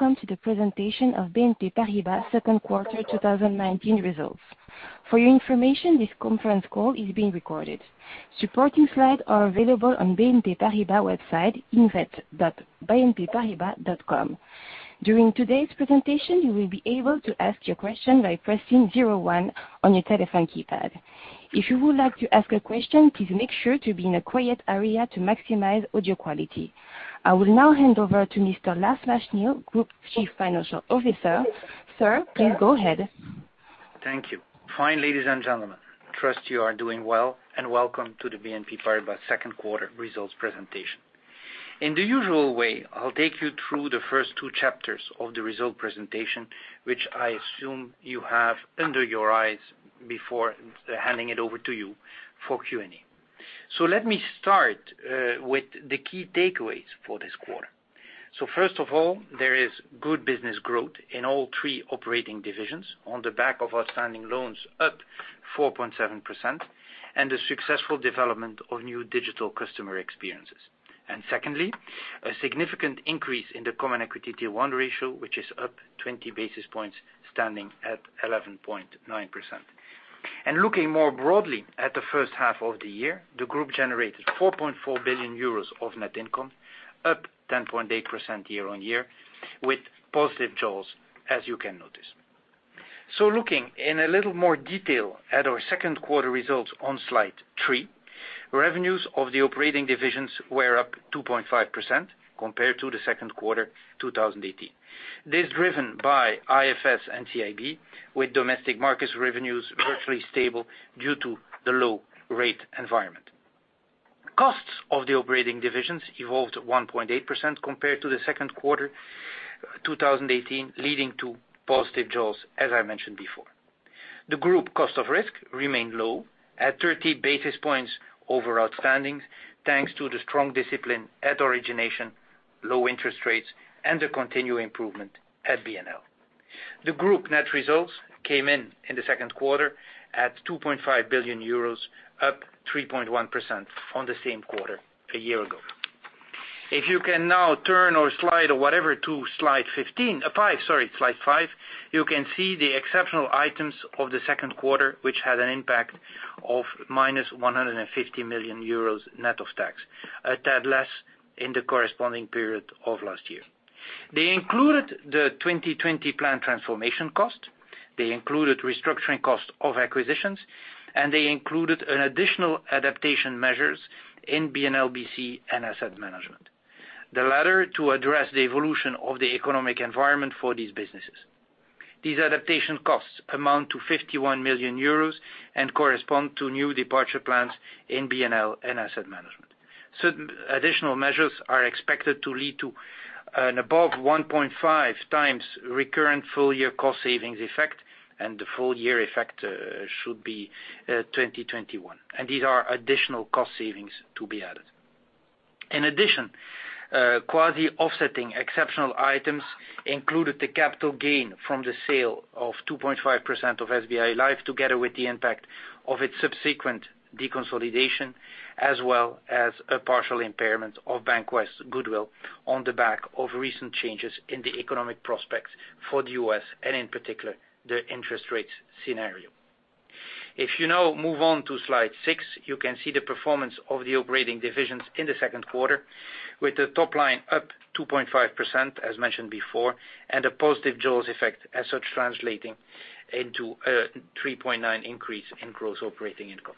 Welcome to the presentation of BNP Paribas Second Quarter 2019 Results. For your information, this conference call is being recorded. Supporting slides are available on BNP Paribas website, invest.bnpparibas.com. During today's presentation, you will be able to ask your question by pressing zero one on your telephone keypad. If you would like to ask a question, please make sure to be in a quiet area to maximize audio quality. I will now hand over to Mr. Lars Machenil, Group Chief Financial Officer. Sir, please go ahead. Thank you. Fine, ladies and gentlemen, trust you are doing well, and welcome to the BNP Paribas second quarter results presentation. In the usual way, I'll take you through the first two chapters of the result presentation, which I assume you have under your eyes before handing it over to you for Q&A. Let me start with the key takeaways for this quarter. First of all, there is good business growth in all three operating divisions on the back of outstanding loans up 4.7% and the successful development of new digital customer experiences. Secondly, a significant increase in the Common Equity Tier 1 ratio, which is up 20 basis points, standing at 11.9%. Looking more broadly at the first half of the year, the group generated 4.4 billion euros of net income, up 10.8% year-on-year, with positive jaws, as you can notice. Looking in a little more detail at our second quarter results on slide three, revenues of the operating divisions were up 2.5% compared to the second quarter 2018. This is driven by IFS and CIB, with domestic markets revenues virtually stable due to the low rate environment. Costs of the operating divisions evolved at 1.8% compared to the second quarter 2018, leading to positive jaws, as I mentioned before. The group cost of risk remained low at 30 basis points over outstandings, thanks to the strong discipline at origination, low interest rates, and the continued improvement at BNL. The group net results came in in the second quarter at 2.5 billion euros, up 3.1% on the same quarter a year ago. If you can now turn to slide five, you can see the exceptional items of the second quarter, which had an impact of -150 million euros net of tax, a tad less in the corresponding period of last year. They included the 2020 plan transformation cost. They included restructuring cost of acquisitions, and they included an additional adaptation measures in BNL bc and asset management. The latter, to address the evolution of the economic environment for these businesses. These adaptation costs amount to 51 million euros and correspond to new departure plans in BNL and asset management. Certain additional measures are expected to lead to an above 1.5x recurrent full-year cost savings effect, and the full-year effect should be 2021. These are additional cost savings to be added. In addition, quasi-offsetting exceptional items included the capital gain from the sale of 2.5% of SBI Life, together with the impact of its subsequent deconsolidation, as well as a partial impairment of BancWest's goodwill on the back of recent changes in the economic prospects for the U.S., and in particular, the interest rate scenario. If you now move on to slide six, you can see the performance of the operating divisions in the second quarter, with the top line up 2.5%, as mentioned before, and a positive jaws effect as such translating into a 3.9% increase in gross operating income.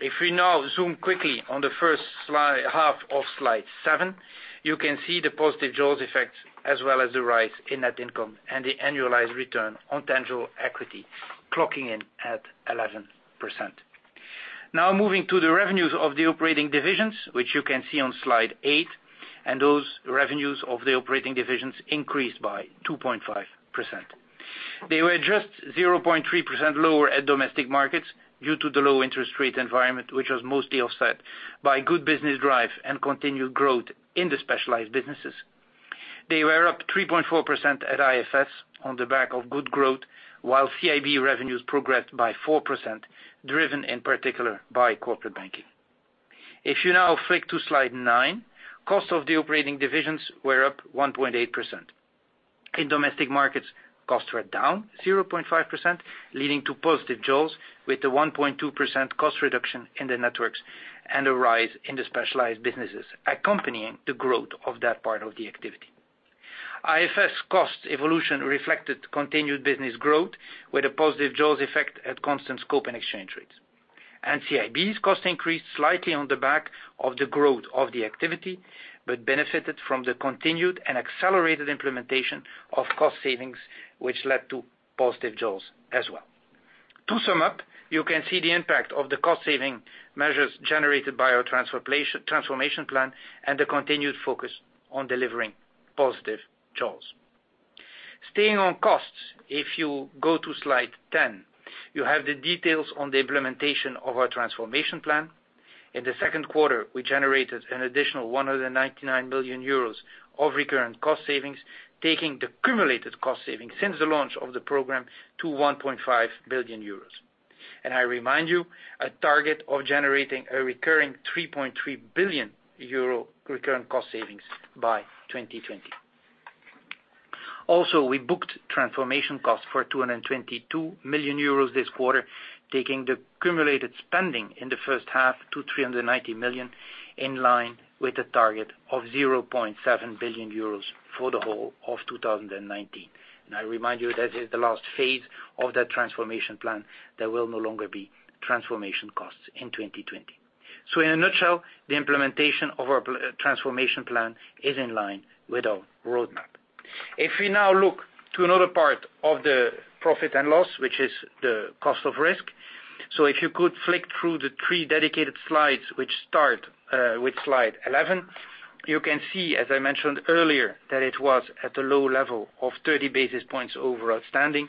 If we now zoom quickly on the first half of slide seven, you can see the positive jaws effect, as well as the rise in net income and the annualized return on tangible equity clocking in at 11%. Now moving to the revenues of the operating divisions, which you can see on slide eight, and those revenues of the operating divisions increased by 2.5%. They were just 0.3% lower at Domestic Markets due to the low interest rate environment, which was mostly offset by good business drive and continued growth in the specialized businesses. They were up 3.4% at IFS on the back of good growth, while CIB revenues progressed by 4%, driven in particular by corporate banking. If you now flick to slide nine, costs of the operating divisions were up 1.8%. In Domestic Markets, costs were down 0.5%, leading to positive jaws with the 1.2% cost reduction in the networks and a rise in the specialized businesses accompanying the growth of that part of the activity. IFS cost evolution reflected continued business growth with a positive jaws effect at constant scope and exchange rates. CIB's cost increased slightly on the back of the growth of the activity, but benefited from the continued and accelerated implementation of cost savings, which led to positive jaws as well. To sum up, you can see the impact of the cost-saving measures generated by our Transformation Plan and the continued focus on delivering positive jaws. Staying on costs, if you go to slide 10, you have the details on the implementation of our Transformation Plan. In the second quarter, we generated an additional 199 million euros of recurrent cost savings, taking the cumulative cost savings since the launch of the program to 1.5 billion euros. I remind you, a target of generating a recurring 3.3 billion euro recurring cost savings by 2020. Also, we booked transformation costs for 222 million euros this quarter, taking the accumulated spending in the first half to 390 million, in line with the target of 0.7 billion euros for the whole of 2019. I remind you that is the last phase of that Transformation Plan. There will no longer be transformation costs in 2020. In a nutshell, the implementation of our Transformation Plan is in line with our roadmap. If we now look to another part of the profit and loss, which is the cost of risk. If you could flick through the three dedicated slides, which start with slide 11, you can see, as I mentioned earlier, that it was at a low level of 30 basis points over outstanding.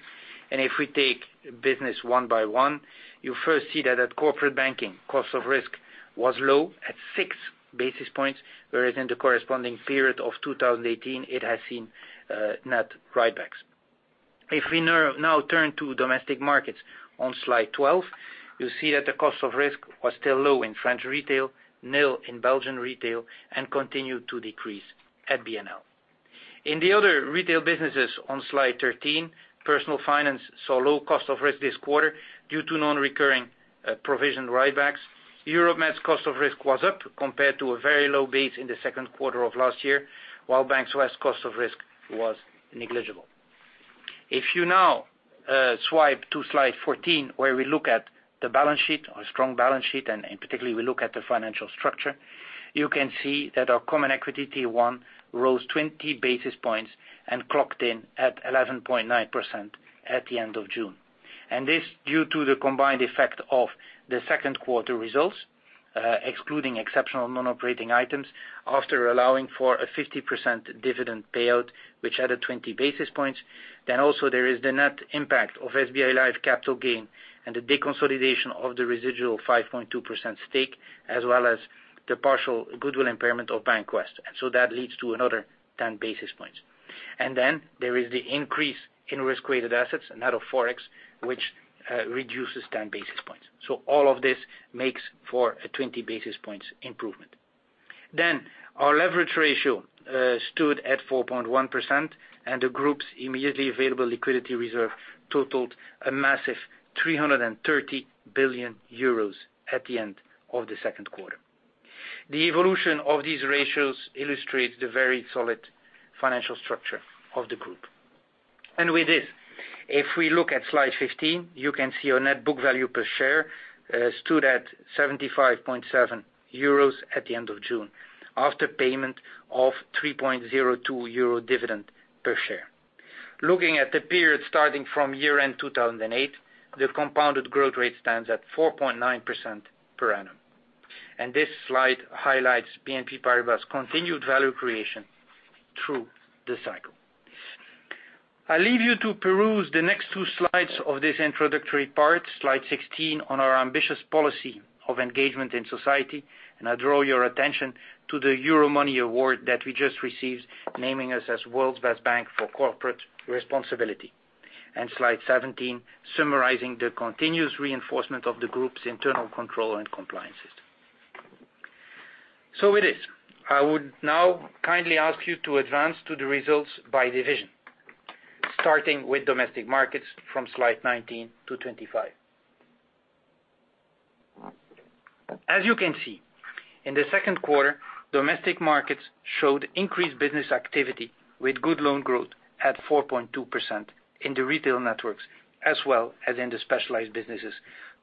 If we take business one by one, you first see that at corporate banking, cost of risk was low at 6 basis points, whereas in the corresponding period of 2018, it has seen net write-backs. If we now turn to domestic markets on slide 12, you will see that the cost of risk was still low in French retail, nil in Belgian retail, and continued to decrease at BNL. In the other retail businesses on slide 13, personal finance saw low cost of risk this quarter due to non-recurring provision write-backs. Europe-Med cost of risk was up compared to a very low base in the second quarter of last year, while BancWest cost of risk was negligible. If you now swipe to slide 14, where we look at the balance sheet, our strong balance sheet, and in particular, we look at the financial structure, you can see that our Common Equity Tier 1 rose 20 basis points and clocked in at 11.9% at the end of June. This due to the combined effect of the second quarter results, excluding exceptional non-operating items, after allowing for a 50% dividend payout, which added 20 basis points. Also there is the net impact of SBI Life capital gain and the deconsolidation of the residual 5.2% stake, as well as the partial goodwill impairment of BancWest. That leads to another 10 basis points. There is the increase in risk-weighted assets, net of forex, which reduces 10 basis points. All of this makes for a 20 basis points improvement. Our leverage ratio stood at 4.1%, and the group's immediately available liquidity reserve totaled a massive 330 billion euros at the end of the second quarter. The evolution of these ratios illustrates the very solid financial structure of the group. With this, if we look at slide 15, you can see our net book value per share stood at 75.7 euros at the end of June, after payment of 3.02 euro dividend per share. Looking at the period starting from year-end 2008, the compounded growth rate stands at 4.9% per annum. This slide highlights BNP Paribas' continued value creation through the cycle. I leave you to peruse the next two slides of this introductory part, slide 16, on our ambitious policy of engagement in society. I draw your attention to the Euromoney Award that we just received, naming us as World's Best Bank for Corporate Responsibility. Slide 17, summarizing the continuous reinforcement of the group's internal control and compliance system. It is. I would now kindly ask you to advance to the results by division, starting with Domestic Markets from slide 19-25. As you can see, in the second quarter, Domestic Markets showed increased business activity with good loan growth at 4.2% in the retail networks, as well as in the specialized businesses,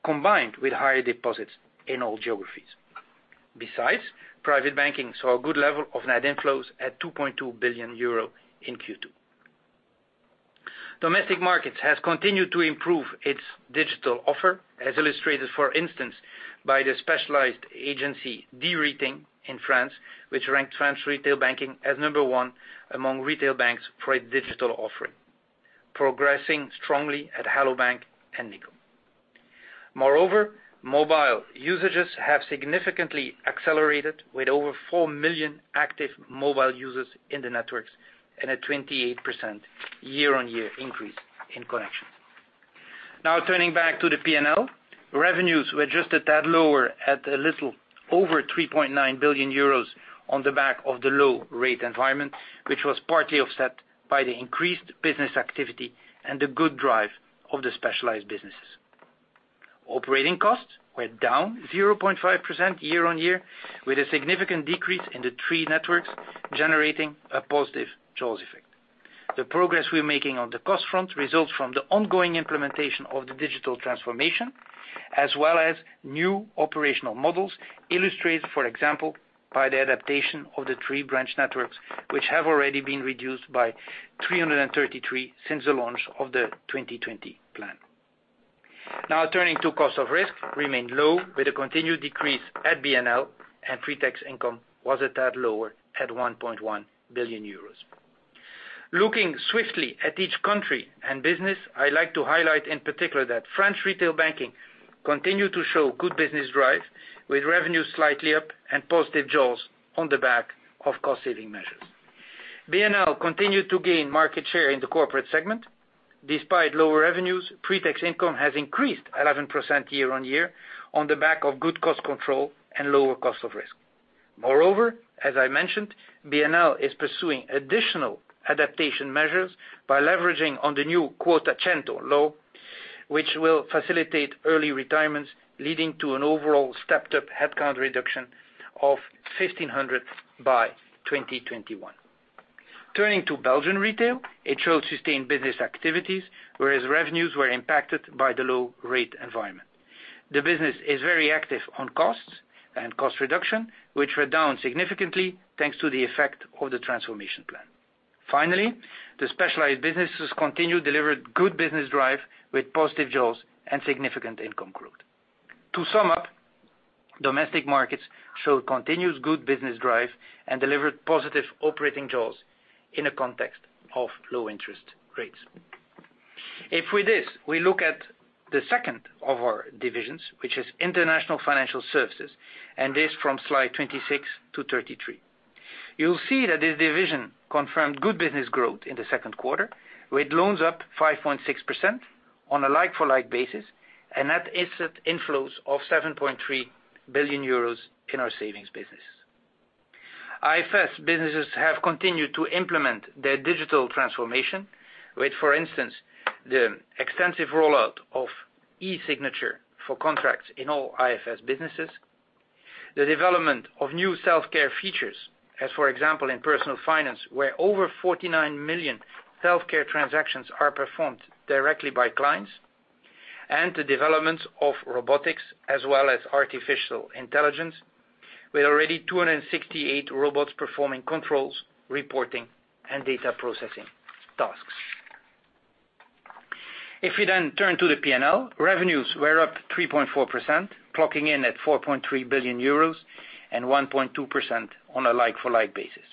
combined with higher deposits in all geographies. Private banking saw a good level of net inflows at 2.2 billion euro in Q2. Domestic Markets has continued to improve its digital offer, as illustrated, for instance, by the specialized agency, D-Rating in France, which ranked France Retail Banking as number one among retail banks for a digital offering, progressing strongly at Hello bank! and Nickel. Moreover, mobile usages have significantly accelerated with over 4 million active mobile users in the networks and a 28% year-on-year increase in connections. Now turning back to the P&L, revenues were just a tad lower at a little over 3.9 billion euros on the back of the low rate environment, which was partly offset by the increased business activity and the good drive of the specialized businesses. Operating costs were down 0.5% year-on-year, with a significant decrease in the three networks, generating a positive jaws effect. The progress we're making on the cost front results from the ongoing implementation of the digital transformation, as well as new operational models illustrated, for example, by the adaptation of the three branch networks, which have already been reduced by 333 since the launch of the 2020 plan. Now turning to cost of risk, remained low with a continued decrease at BNL and pre-tax income was a tad lower at 1.1 billion euros. Looking swiftly at each country and business, I like to highlight in particular that French Retail Banking continued to show good business drive with revenue slightly up and positive jaws on the back of cost-saving measures. BNL continued to gain market share in the corporate segment. Despite lower revenues, pre-tax income has increased 11% year-on-year on the back of good cost control and lower cost of risk. Moreover, as I mentioned, BNL is pursuing additional adaptation measures by leveraging on the new Quota 100 law, which will facilitate early retirements, leading to an overall stepped-up headcount reduction of 1,500 by 2021. Turning to Belgian Retail, it showed sustained business activities, whereas revenues were impacted by the low rate environment. The business is very active on costs and cost reduction, which were down significantly, thanks to the effect of the transformation plan. Finally, the specialized businesses continued to deliver good business drive with positive jaws and significant income growth. To sum up, Domestic Markets showed continuous good business drive and delivered positive operating jaws in a context of low interest rates. If with this, we look at the second of our divisions, which is International Financial Services, and this from slide 26-33. You'll see that this division confirmed good business growth in the second quarter, with loans up 5.6% on a like-for-like basis and net asset inflows of 7.3 billion euros in our savings business. IFS businesses have continued to implement their digital transformation with, for instance, the extensive rollout of e-signature for contracts in all IFS businesses, the development of new self-care features, as, for example, in personal finance, where over 49 million self-care transactions are performed directly by clients, and the development of robotics as well as artificial intelligence, with already 268 robots performing controls, reporting, and data processing tasks. If we then turn to the P&L, revenues were up 3.4%, clocking in at 4.3 billion euros, and 1.2% on a like-for-like basis.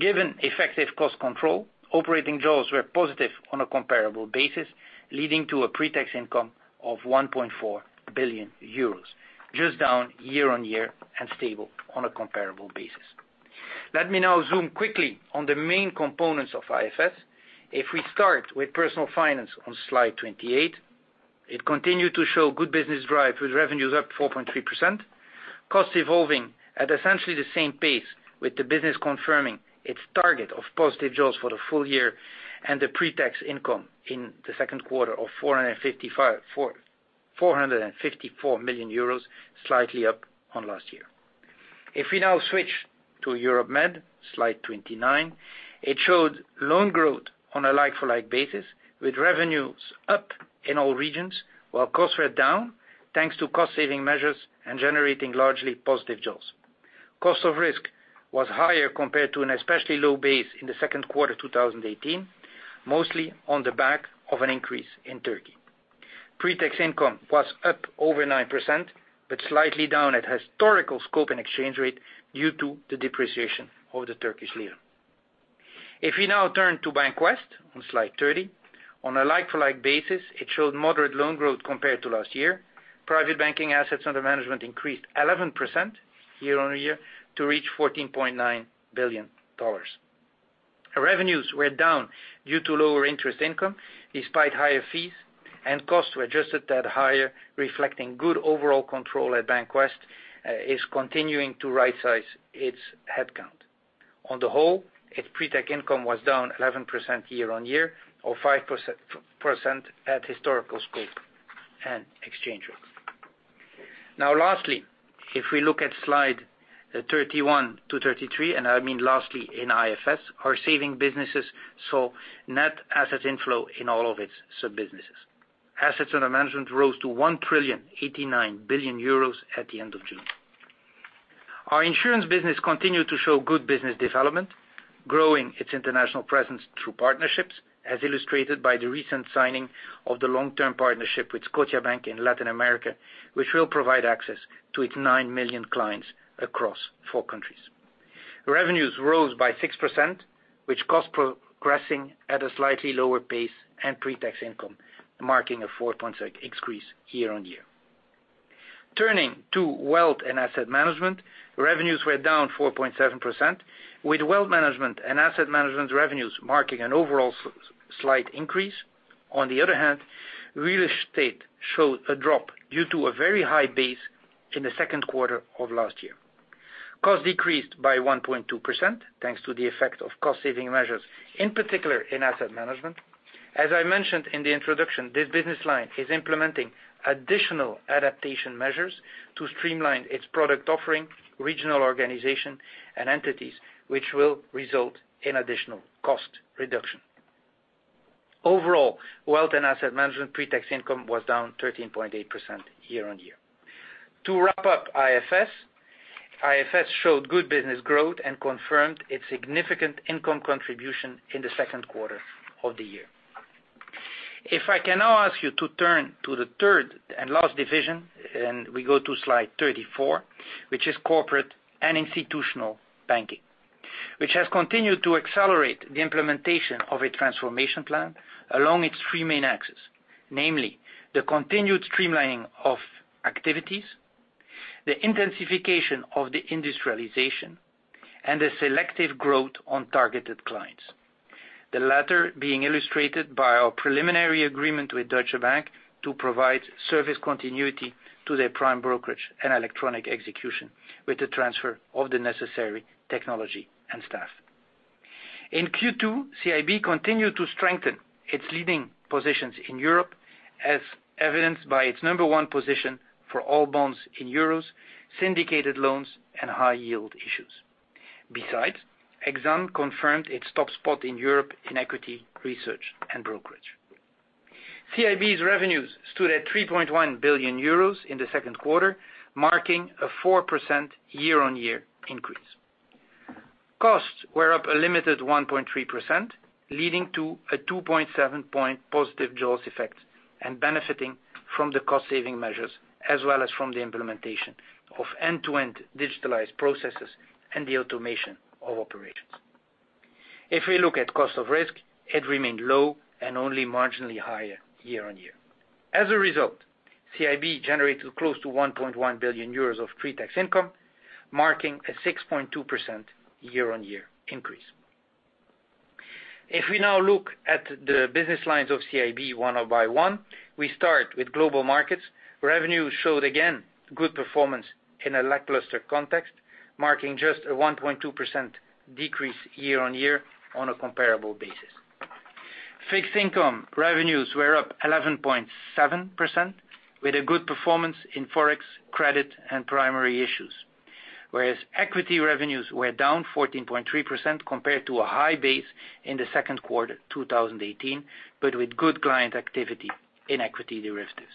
Given effective cost control, operating jaws were positive on a comparable basis, leading to a pre-tax income of 1.4 billion euros, just down year-on-year and stable on a comparable basis. Let me now zoom quickly on the main components of IFS. If we start with personal finance on slide 28, it continued to show good business drive with revenues up 4.3%, costs evolving at essentially the same pace, with the business confirming its target of positive jaws for the full year and a pre-tax income in the second quarter of 454 million euros, slightly up on last year. If we now switch to Europe-Med, slide 29, it showed loan growth on a like-for-like basis, with revenues up in all regions, while costs were down, thanks to cost-saving measures and generating largely positive jaws. Cost of risk was higher compared to an especially low base in the second quarter 2018, mostly on the back of an increase in Turkey. Pre-tax income was up over 9% but slightly down at historical scope and exchange rate due to the depreciation of the Turkish lira. If we now turn to BancWest on slide 30, on a like-for-like basis, it showed moderate loan growth compared to last year. Private banking assets under management increased 11% year-on-year to reach EUR 14.9 billion. Revenues were down due to lower interest income despite higher fees, and costs were adjusted at higher, reflecting good overall control at BancWest is continuing to rightsize its headcount. On the whole, its pre-tax income was down 11% year-on-year or 5% at historical scope and exchange rate. Lastly, if we look at slide 31-33, and I mean lastly in IFS, our saving businesses saw net asset inflow in all of its sub-businesses. Assets under management rose to 1,089 billion euros at the end of June. Our insurance business continued to show good business development, growing its international presence through partnerships, as illustrated by the recent signing of the long-term partnership with Scotiabank in Latin America, which will provide access to its 9 million clients across four countries. Revenues rose by 6%, with costs progressing at a slightly lower pace, and pre-tax income marking a 4.6% increase year-on-year. Turning to wealth and asset management, revenues were down 4.7%, with wealth management and asset management revenues marking an overall slight increase. On the other hand, real estate showed a drop due to a very high base in the second quarter of last year. Costs decreased by 1.2%, thanks to the effect of cost-saving measures, in particular in asset management. As I mentioned in the introduction, this business line is implementing additional adaptation measures to streamline its product offering, regional organization, and entities, which will result in additional cost reduction. Overall, wealth and asset management pre-tax income was down 13.8% year-on-year. To wrap up IFS, IFS showed good business growth and confirmed its significant income contribution in the second quarter of the year. If I can now ask you to turn to the third and last division, and we go to slide 34, which is Corporate & Institutional Banking, which has continued to accelerate the implementation of a transformation plan along its three main axes, namely the continued streamlining of activities, the intensification of the industrialization, and the selective growth on targeted clients. The latter being illustrated by our preliminary agreement with Deutsche Bank to provide service continuity to their prime brokerage and electronic execution with the transfer of the necessary technology and staff. In Q2, CIB continued to strengthen its leading positions in Europe, as evidenced by its number one position for all bonds in euros, syndicated loans, and high yield issues. Besides, Exane confirmed its top spot in Europe in equity, research, and brokerage. CIB's revenues stood at 3.1 billion euros in the second quarter, marking a 4% year-on-year increase. Costs were up a limited 1.3%, leading to a 2.7-point positive jaws effect and benefiting from the cost-saving measures, as well as from the implementation of end-to-end digitalized processes and the automation of operations. If we look at cost of risk, it remained low and only marginally higher year-on-year. As a result, CIB generated close to 1.1 billion euros of pre-tax income, marking a 6.2% year-on-year increase. If we now look at the business lines of CIB one by one, we start with Global Markets. Revenue showed again, good performance in a lackluster context, marking just a 1.2% decrease year-on-year on a comparable basis. Fixed income revenues were up 11.7% with a good performance in forex credit and primary issues. Whereas equity revenues were down 14.3% compared to a high base in the second quarter 2018, but with good client activity in equity derivatives.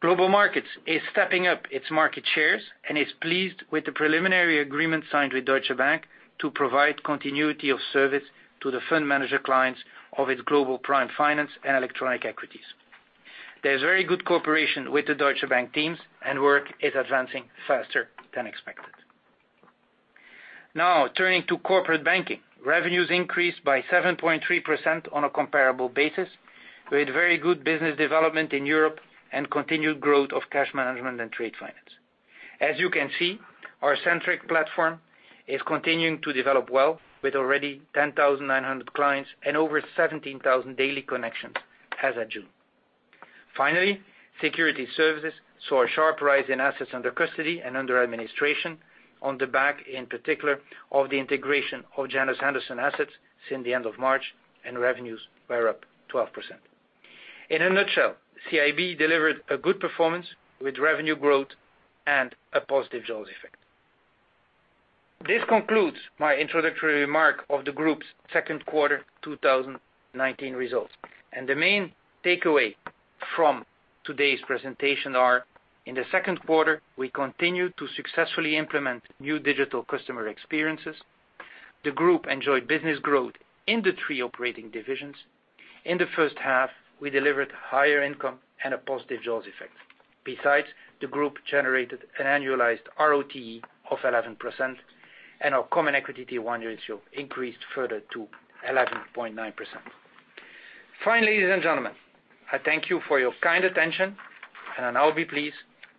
Global Markets is stepping up its market shares and is pleased with the preliminary agreement signed with Deutsche Bank to provide continuity of service to the fund manager clients of its Global Prime Finance and electronic equities. There's very good cooperation with the Deutsche Bank teams, and work is advancing faster than expected. Now turning to Corporate Banking, revenues increased by 7.3% on a comparable basis, with very good business development in Europe and continued growth of cash management and trade finance. As you can see, our Centric platform is continuing to develop well, with already 10,900 clients and over 17,000 daily connections as at June. Finally, Securities Services saw a sharp rise in assets under custody and under administration on the back, in particular, of the integration of Janus Henderson assets since the end of March, and revenues were up 12%. In a nutshell, CIB delivered a good performance with revenue growth and a positive jaws effect. This concludes my introductory remark of the group's second quarter 2019 results. The main takeaway from today's presentation are, in the second quarter, we continued to successfully implement new digital customer experiences. The group enjoyed business growth in the three operating divisions. In the first half, we delivered higher income and a positive jaws effect. Besides, the group generated an annualized ROTE of 11%, and our Common Equity Tier 1 ratio increased further to 11.9%. Finally, ladies and gentlemen, I thank you for your kind attention, and I will now be pleased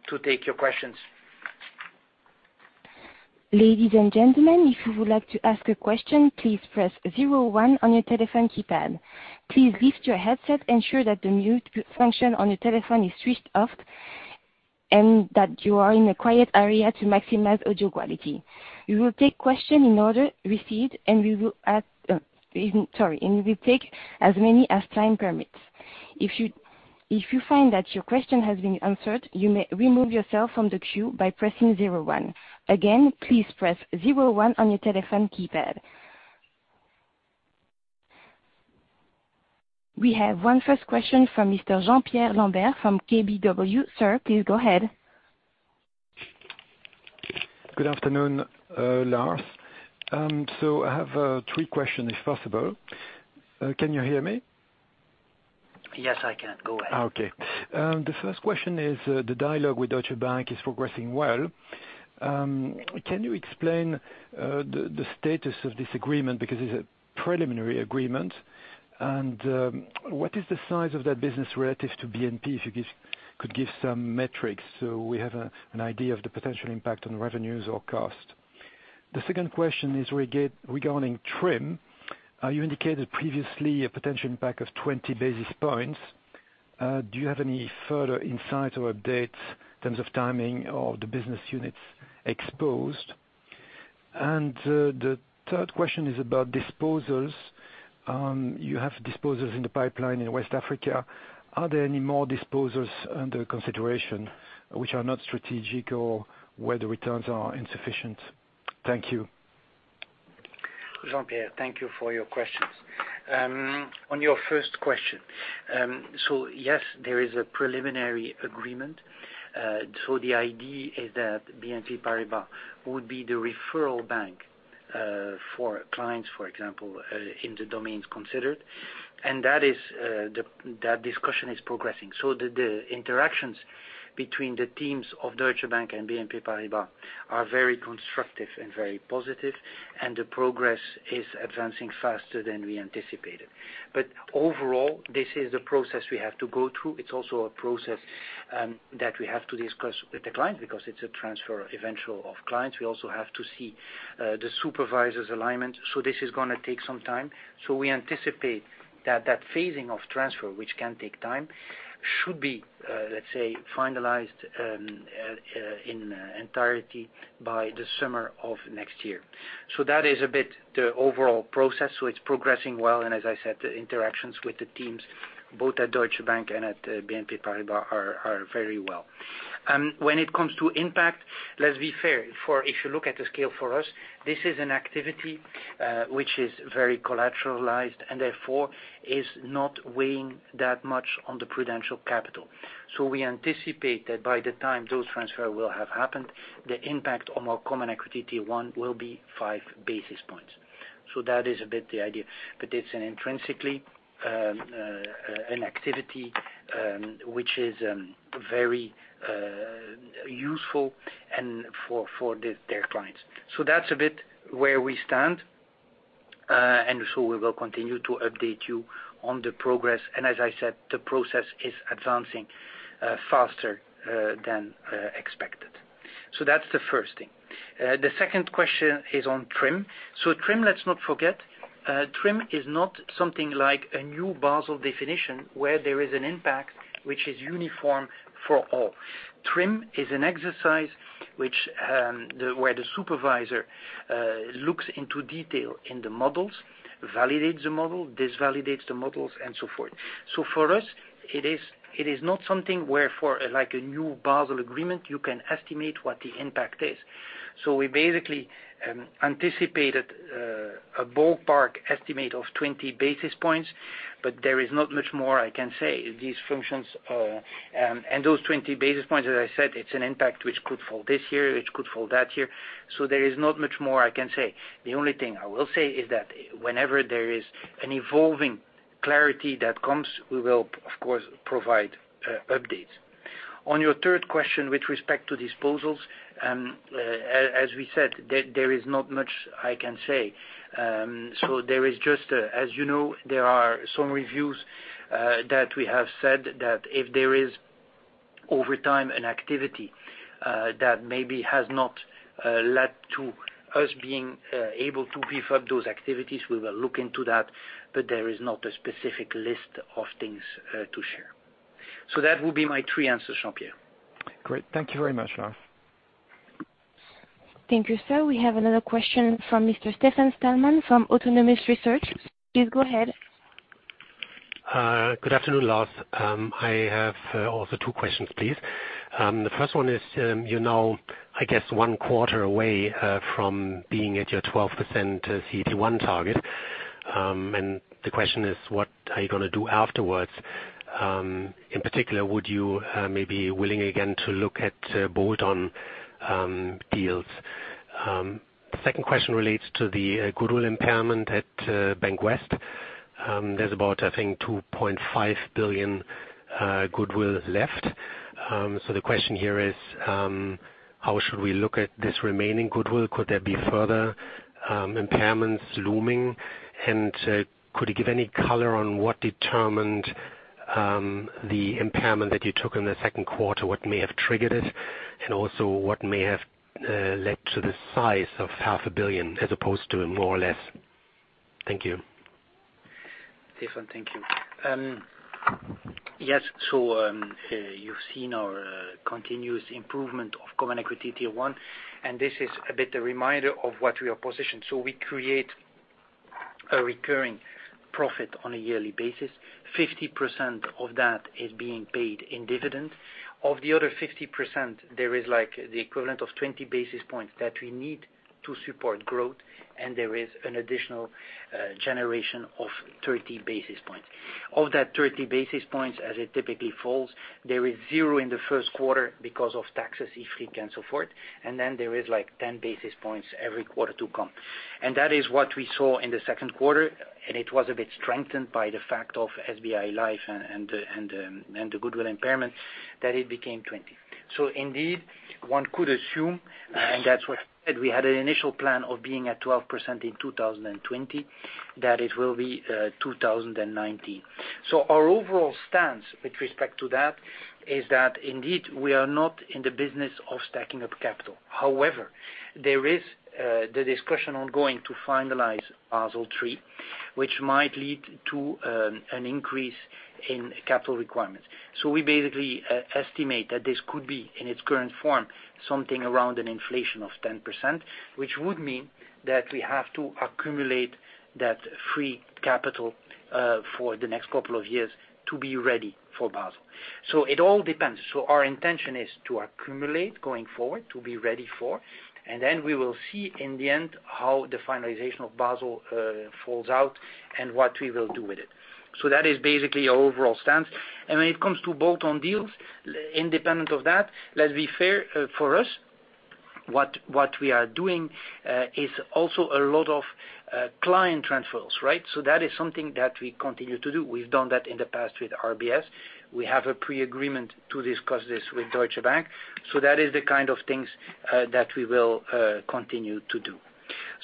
to take your questions. Ladies and gentlemen, if you would like to ask a question, please press zero one on your telephone keypad. Please lift your headset, ensure that the mute function on your telephone is switched off, and that you are in a quiet area to maximize audio quality. We will take questions in order received, and we will take as many as time permits. If you find that your question has been answered, you may remove yourself from the queue by pressing zero one. Again, please press zero one on your telephone keypad. We have one first question from Mr. Jean-Pierre Lambert from KBW. Sir, please go ahead. Good afternoon, Lars. I have three questions if possible. Can you hear me? Yes, I can. Go ahead. Okay. The first question is, the dialogue with Deutsche Bank is progressing well. Can you explain the status of this agreement, because it's a preliminary agreement? What is the size of that business relative to BNP? If you could give some metrics so we have an idea of the potential impact on revenues or cost. The second question is regarding TRIM. You indicated previously a potential impact of 20 basis points. Do you have any further insight or updates in terms of timing or the business units exposed? The third question is about disposals. You have disposals in the pipeline in West Africa. Are there any more disposals under consideration which are not strategic or where the returns are insufficient? Thank you. Jean-Pierre, thank you for your questions. On your first question, yes, there is a preliminary agreement. The idea is that BNP Paribas would be the referral bank for clients, for example, in the domains considered. That discussion is progressing. The interactions between the teams of Deutsche Bank and BNP Paribas are very constructive and very positive, and the progress is advancing faster than we anticipated. Overall, this is a process we have to go through. It's also a process that we have to discuss with the client, because it's a transfer eventual of clients. We also have to see the supervisors alignment. This is going to take some time. We anticipate that that phasing of transfer, which can take time, should be, let's say, finalized in entirety by the summer of next year. That is a bit the overall process. It's progressing well, and as I said, the interactions with the teams, both at Deutsche Bank and at BNP Paribas, are very well. When it comes to impact, let's be fair, if you look at the scale for us, this is an activity which is very collateralized and therefore is not weighing that much on the prudential capital. We anticipate that by the time those transfer will have happened, the impact on our Common Equity Tier 1 will be 5 basis points. That is a bit the idea. It's intrinsically an activity which is very useful and for their clients. That's a bit where we stand, and so we will continue to update you on the progress, and as I said, the process is advancing faster than expected. That's the first thing. The second question is on TRIM. TRIM, let's not forget, TRIM is not something like a new Basel definition where there is an impact which is uniform for all. TRIM is an exercise where the supervisor looks into detail in the models, validates the model, disvalidates the models, and so forth. For us, it is not something where for, like a new Basel agreement, you can estimate what the impact is. We basically anticipated a ballpark estimate of 20 basis points, but there is not much more I can say. Those 20 basis points, as I said, it's an impact which could fall this year, which could fall that year. There is not much more I can say. The only thing I will say is that whenever there is an evolving clarity that comes, we will, of course, provide updates. On your third question with respect to disposals, as we said, there is not much I can say. There is, as you know, there are some reviews that we have said that if there is over time an activity that maybe has not led to us being able to beef up those activities, we will look into that, but there is not a specific list of things to share. That will be my three answers, Jean-Pierre. Great. Thank you very much, Lars. Thank you, sir. We have another question from Mr. Stefan Stalmann from Autonomous Research. Please go ahead. Good afternoon, Lars. I have also two questions, please. The first one is, you're now I guess one quarter away from being at your 12% CET1 target. The question is, what are you going to do afterwards? In particular, would you maybe willing again to look at bolt-on deals? Second question relates to the goodwill impairment at BancWest. There's about, I think, 2.5 billion goodwill left. The question here is, how should we look at this remaining goodwill? Could there be further impairments looming? Could you give any color on what determined the impairment that you took in the second quarter, what may have triggered it? Also what may have led to the size of 500 million as opposed to more or less? Thank you. Stefan, thank you. Yes. You've seen our continuous improvement of Common Equity Tier 1, and this is a bit a reminder of what we are positioned. We create a recurring profit on a yearly basis. 50% of that is being paid in dividends. Of the other 50%, there is the equivalent of 20 basis points that we need to support growth, and there is an additional generation of 30 basis points. Of that 30 basis points, as it typically falls, there is zero in the first quarter because of taxes, IFRIC, and so forth. There is 10 basis points every quarter to come. That is what we saw in the second quarter, and it was a bit strengthened by the fact of SBI Life and the goodwill impairment that it became 20 basis points. Indeed, one could assume, and that's what we said, we had an initial plan of being at 12% in 2020, that it will be 2019. Our overall stance with respect to that is that indeed we are not in the business of stacking up capital. However, there is the discussion ongoing to finalize Basel III, which might lead to an increase in capital requirements. We basically estimate that this could be, in its current form, something around an inflation of 10%, which would mean that we have to accumulate that free capital for the next couple of years to be ready for Basel. It all depends. Our intention is to accumulate going forward, to be ready for, and then we will see in the end how the finalization of Basel falls out and what we will do with it. That is basically our overall stance. When it comes to bolt-on deals, independent of that, let's be fair, for us, what we are doing is also a lot of client transfers, right? That is something that we continue to do. We've done that in the past with RBS. We have a pre-agreement to discuss this with Deutsche Bank. That is the kind of things that we will continue to do.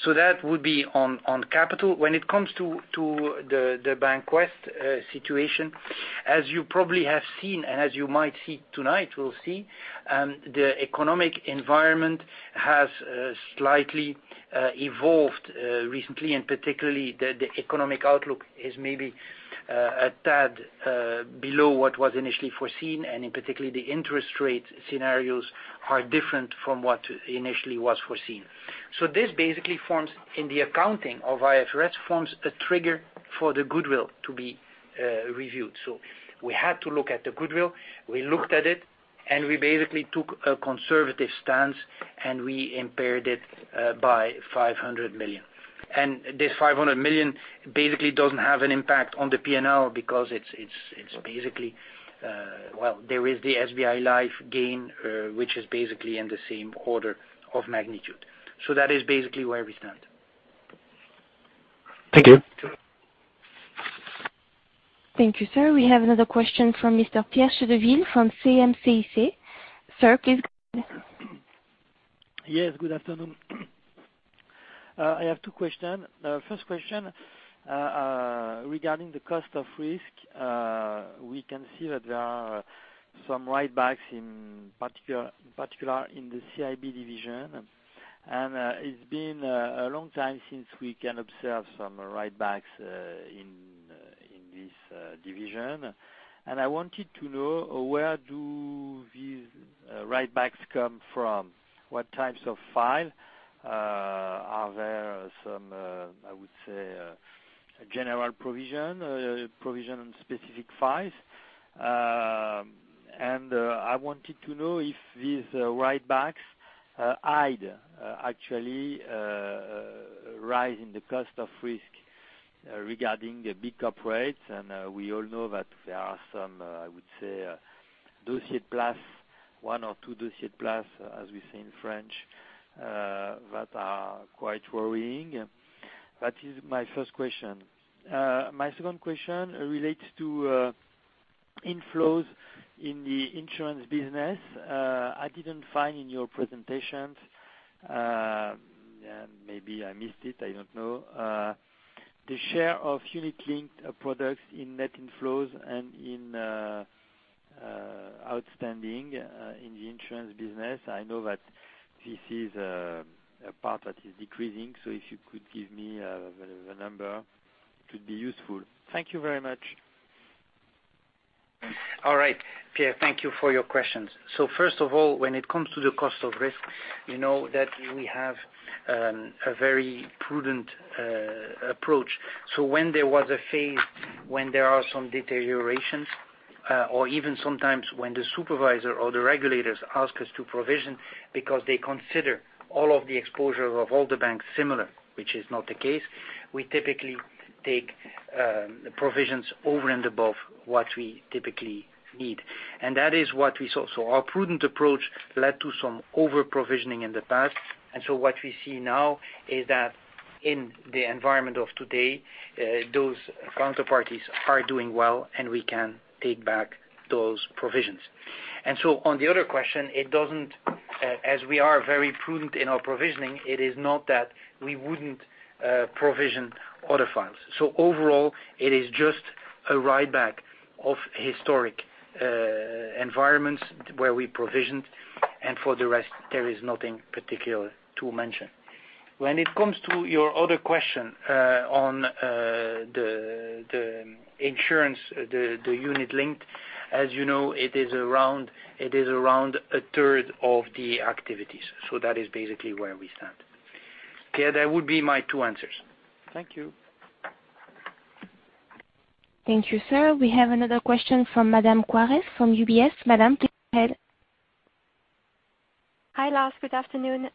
That would be on capital. When it comes to the BancWest situation, as you probably have seen, and as you might see tonight, we'll see the economic environment has slightly evolved recently, and particularly the economic outlook is maybe a tad below what was initially foreseen, and in particular, the interest rate scenarios are different from what initially was foreseen. This basically, in the accounting of IFRS, forms a trigger for the goodwill to be reviewed. We had to look at the goodwill. We looked at it, and we basically took a conservative stance, and we impaired it by 500 million. This 500 million basically doesn't have an impact on the P&L because, well, there is the SBI Life gain, which is basically in the same order of magnitude. That is basically where we stand. Thank you. Thank you, sir. We have another question from Mr. Pierre Chédeville from CM-CIC. Sir, please go ahead. Yes, good afternoon. I have two questions. First question regarding the cost of risk. We can see that there are some write backs, in particular in the CIB division. It's been a long time since we can observe some write backs in this division. I wanted to know where do these write backs come from, what types of file. Are there some, I would say, general provision on specific files? I wanted to know if these write backs hide, actually, a rise in the cost of risk regarding the big corporates, and we all know that there are some, I would say, dossier plus, one or two dossier plus, as we say in French, that are quite worrying. That is my first question. My second question relates to inflows in the insurance business. I didn't find in your presentations, maybe I missed it, I don't know, the share of unit-linked products in net inflows and in outstanding in the insurance business. I know that this is a part that is decreasing, so if you could give me the number, it would be useful. Thank you very much. All right, Pierre, thank you for your questions. First of all, when it comes to the cost of risk, you know that we have a very prudent approach. When there was a phase when there are some deteriorations, or even sometimes when the supervisor or the regulators ask us to provision because they consider all of the exposure of all the banks similar, which is not the case, we typically take provisions over and above what we typically need. That is what we saw. Our prudent approach led to some over-provisioning in the past, and so what we see now is that in the environment of today, those counterparties are doing well, and we can take back those provisions. On the other question, as we are very prudent in our provisioning, it is not that we wouldn't provision other files. Overall, it is just a write back of historic environments where we provisioned, and for the rest, there is nothing particular to mention. When it comes to your other question on the insurance, the unit link, as you know, it is around a third of the activities. That is basically where we stand. Pierre, that would be my two answers. Thank you. Thank you, sir. We have another question from Madame Quoirez from UBS. Madame, please go ahead. Hi, Lars. Good afternoon.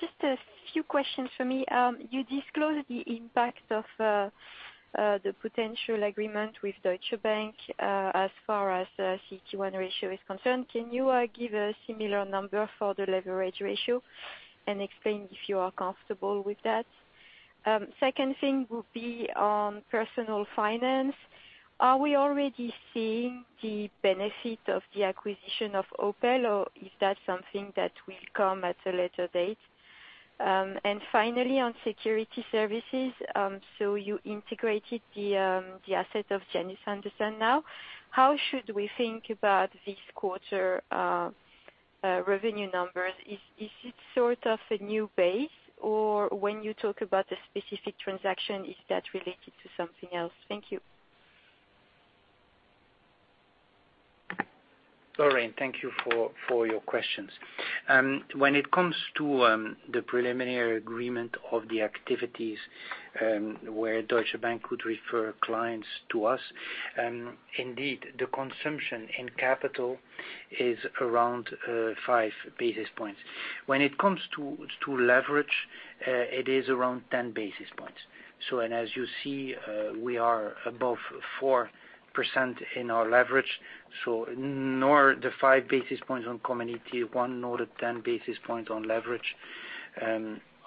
Just a few questions for me. You disclosed the impact of the potential agreement with Deutsche Bank as far as the CET1 ratio is concerned. Can you give a similar number for the leverage ratio and explain if you are comfortable with that? Second thing would be on personal finance. Are we already seeing the benefit of the acquisition of Opel, or is that something that will come at a later date? Finally, on Securities Services, you integrated the asset of Janus Henderson now. How should we think about this quarter revenue numbers? Is it sort of a new base, or when you talk about the specific transaction, is that related to something else? Thank you. Lorraine, thank you for your questions. When it comes to the preliminary agreement of the activities, where Deutsche Bank would refer clients to us, indeed, the consumption in capital is around 5 basis points. When it comes to leverage, it is around 10 basis points. As you see, we are above 4% in our leverage. Nor the 5 basis points on Common Equity Tier 1, nor the 10 basis points on leverage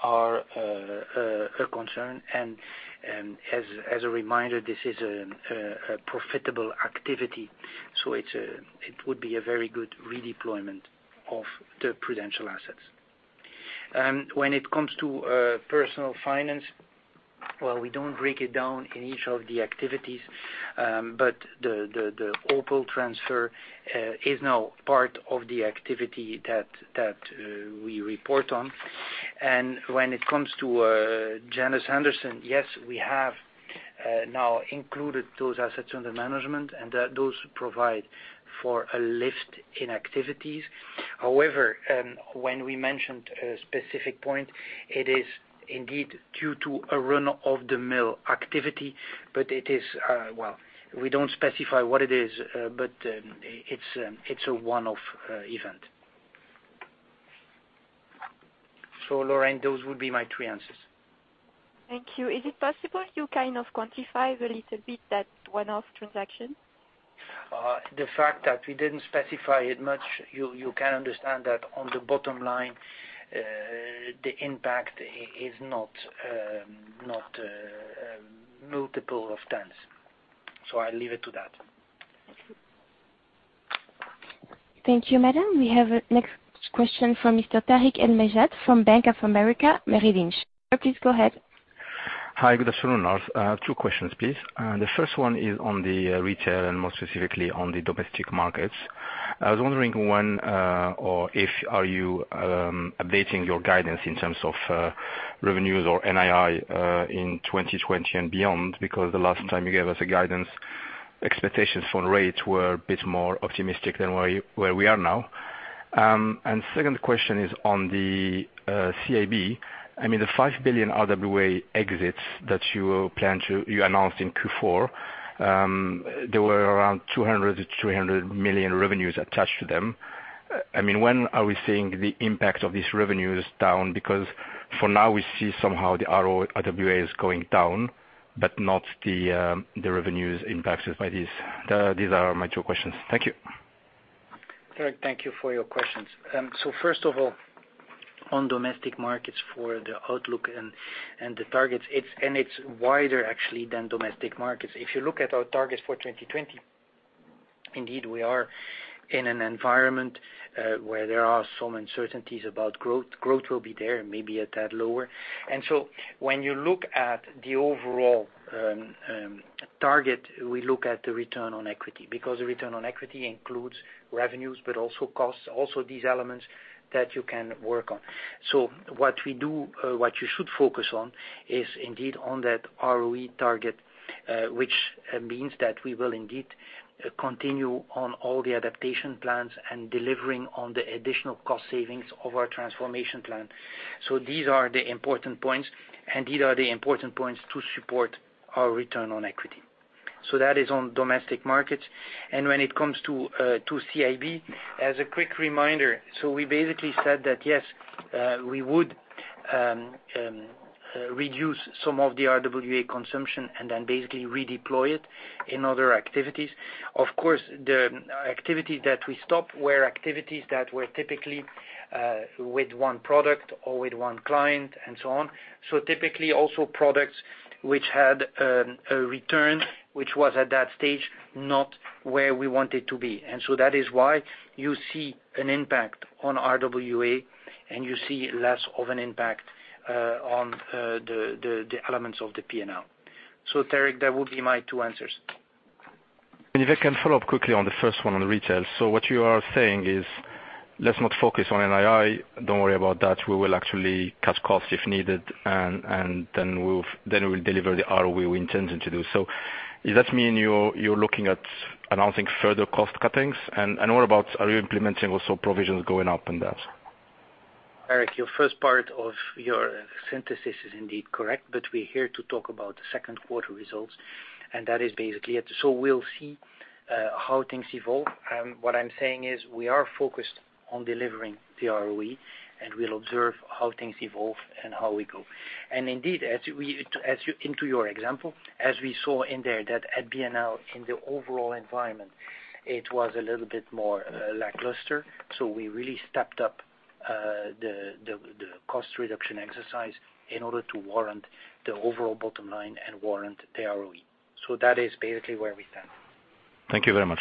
are a concern. As a reminder, this is a profitable activity. It would be a very good redeployment of the prudential assets. When it comes to personal finance, well, we don't break it down in each of the activities, but the Opel transfer is now part of the activity that we report on. When it comes to Janus Henderson, yes, we have now included those assets under management, and those provide for a lift in activities. However, when we mentioned a specific point, it is indeed due to a run-of-the-mill activity, but we don't specify what it is, but it's a one-off event. Lorraine, those would be my three answers. Thank you. Is it possible you kind of quantify a little bit that one-off transaction? The fact that we didn't specify it much, you can understand that on the bottom line, the impact is not multiple of 10s. I'll leave it to that. Thank you, Madame. We have next question from Mr. Tarik El Mejjad from Bank of America Merrill Lynch. Sir, please go ahead. Hi, good afternoon, Lars. Two questions, please. The first one is on the retail and more specifically on the Domestic Markets. I was wondering when, or if are you updating your guidance in terms of revenues or NII in 2020 and beyond. The last time you gave us a guidance, expectations for rates were a bit more optimistic than where we are now. Second question is on the CIB, I mean the 5 billion RWA exits that you announced in Q4, there were around 200 million-300 million revenues attached to them. When are we seeing the impact of these revenues down? For now we see somehow the RWA is going down, but not the revenues impacted by these. These are my two questions. Thank you. Tarik, thank you for your questions. First of all, on Domestic Markets for the outlook and the targets, and it's wider actually than Domestic Markets. If you look at our targets for 2020, indeed we are in an environment where there are some uncertainties about growth. Growth will be there and maybe a tad lower. When you look at the overall target, we look at the return on equity, because the return on equity includes revenues but also costs, also these elements that you can work on. What you should focus on is indeed on that ROE target, which means that we will indeed continue on all the adaptation plans and delivering on the additional cost savings of our transformation plan. These are the important points, and these are the important points to support our return on equity. That is on Domestic Markets. When it comes to CIB, as a quick reminder, so we basically said that yes, we would reduce some of the RWA consumption and then basically redeploy it in other activities. Of course, the activities that we stopped were activities that were typically with one product or with one client and so on. Typically also products which had a return, which was at that stage, not where we want it to be. That is why you see an impact on RWA, and you see less of an impact on the elements of the P&L. Tarik, that would be my two answers. If I can follow up quickly on the first one on retail. What you are saying is, let's not focus on NII, don't worry about that, we will actually cut costs if needed, and then we'll deliver the ROE we intended to do. Does that mean you're looking at announcing further cost cuttings? What about, are you implementing also provisions going up in that? Tarik, your first part of your synthesis is indeed correct, but we're here to talk about the second quarter results, and that is basically it. We'll see how things evolve. What I'm saying is we are focused on delivering the ROE, and we'll observe how things evolve and how we go. Indeed, into your example, as we saw in there that at BNL in the overall environment, it was a little bit more lackluster. We really stepped up the cost reduction exercise in order to warrant the overall bottom line and warrant the ROE. That is basically where we stand. Thank you very much.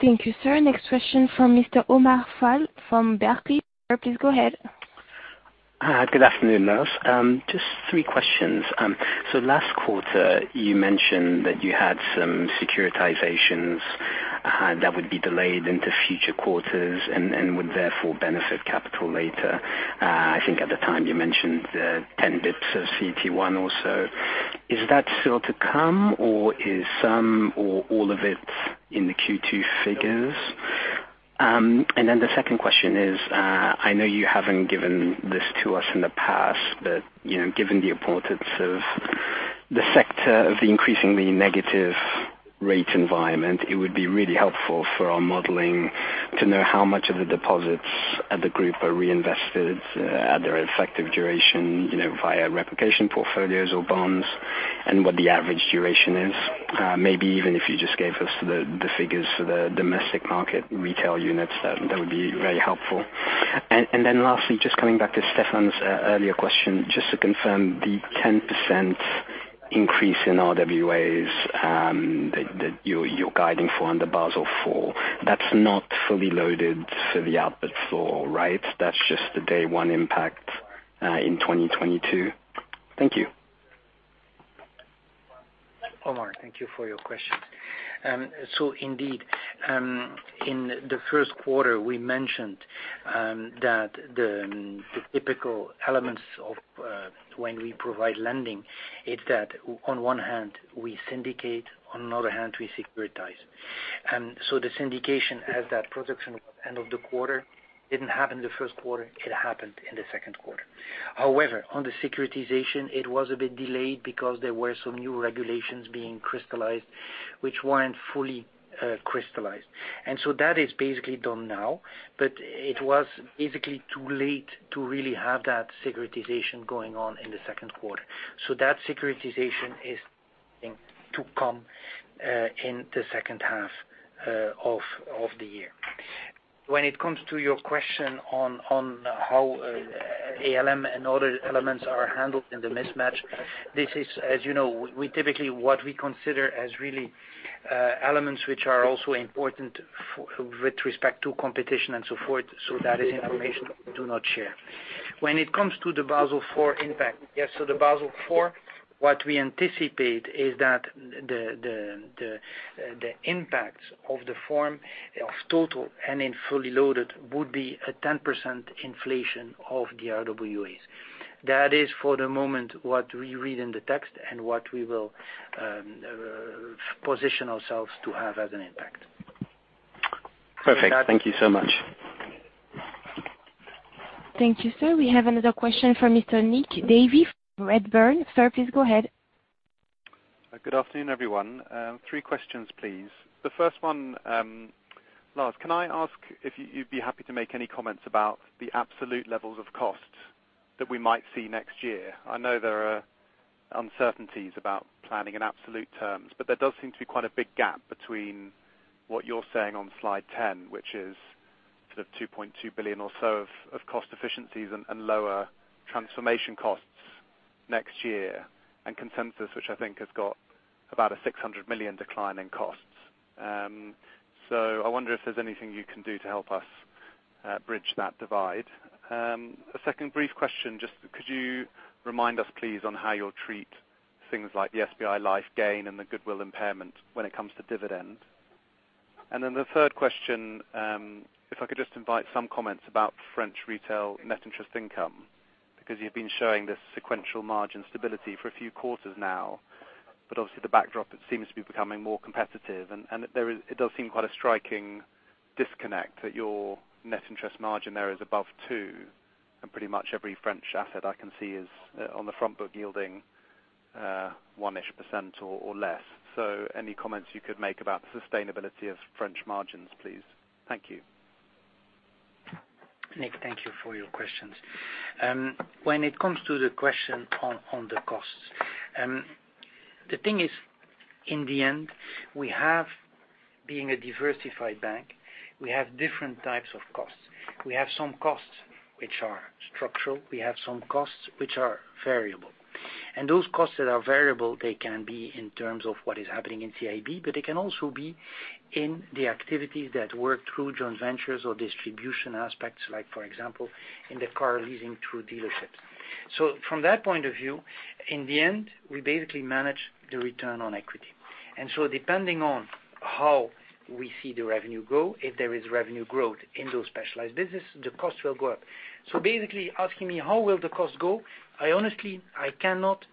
Thank you, sir. Next question from Mr. Omar Fall from Barclays. Sir, please go ahead. Good afternoon, Lars. Just three questions. Last quarter, you mentioned that you had some securitizations that would be delayed into future quarters and would therefore benefit capital later. I think at the time you mentioned 10 basis points of CET1 also. Is that still to come, or is some or all of it in the Q2 figures? The second question is, I know you haven't given this to us in the past, but given the importance of the sector of the increasingly negative rate environment, it would be really helpful for our modeling to know how much of the deposits at the group are reinvested at their effective duration via replication portfolios or bonds, and what the average duration is. Maybe even if you just gave us the figures for the domestic market retail units, that would be very helpful. Lastly, just coming back to Stefan's earlier question, just to confirm the 10% increase in RWAs that you're guiding for under Basel IV, that's not fully loaded for the output floor, right? That's just the day one impact in 2022? Thank you. Omar, thank you for your question. Indeed, in the first quarter, we mentioned that the typical elements of when we provide lending is that on one hand, we syndicate, on another hand, we securitize. The syndication has that production end of the quarter. Didn't happen in the first quarter, it happened in the second quarter. However, on the securitization, it was a bit delayed because there were some new regulations being crystallized, which weren't fully crystallized. That is basically done now, but it was basically too late to really have that securitization going on in the second quarter. That securitization is going to come in the second half of the year. When it comes to your question on how ALM and other elements are handled in the mismatch, this is, as you know, we typically what we consider as really elements which are also important with respect to competition and so forth. That is information we do not share. When it comes to the Basel IV impact, yes, the Basel IV, what we anticipate is that the impact of the form of total and in fully loaded would be a 10% inflation of the RWAs. That is for the moment what we read in the text and what we will position ourselves to have as an impact. Perfect. Thank you so much. Thank you, sir. We have another question from Mr. Nick Davey from Redburn. Sir, please go ahead. Good afternoon, everyone. Three questions, please. The first one, Lars, can I ask if you'd be happy to make any comments about the absolute levels of cost that we might see next year? I know there are uncertainties about planning in absolute terms. There does seem to be quite a big gap between what you're saying on slide 10, which is sort of 2.2 billion or so of cost efficiencies and lower transformation costs next year, and consensus, which I think has got about a 600 million decline in costs. I wonder if there's anything you can do to help us bridge that divide. A second brief question, just could you remind us, please, on how you'll treat things like the SBI Life gain and the goodwill impairment when it comes to dividend? The third question, if I could just invite some comments about French retail net interest income, because you've been showing this sequential margin stability for a few quarters now. The backdrop, it seems to be becoming more competitive, and it does seem quite a striking disconnect that your net interest margin there is above 2%, and pretty much every French asset I can see is on the front book yielding 1%-ish or less. Any comments you could make about the sustainability of French margins, please. Thank you. Nick, thank you for your questions. When it comes to the question on the costs, the thing is, in the end, we have, being a diversified bank, we have different types of costs. We have some costs which are structural. We have some costs which are variable. Those costs that are variable, they can be in terms of what is happening in CIB, but they can also be in the activities that work through joint ventures or distribution aspects, like for example, in the car leasing through dealerships. From that point of view, in the end, we basically manage the return on equity. Depending on how we see the revenue grow, if there is revenue growth in those specialized business, the cost will go up. Basically asking me, how will the cost go? I honestly, I cannot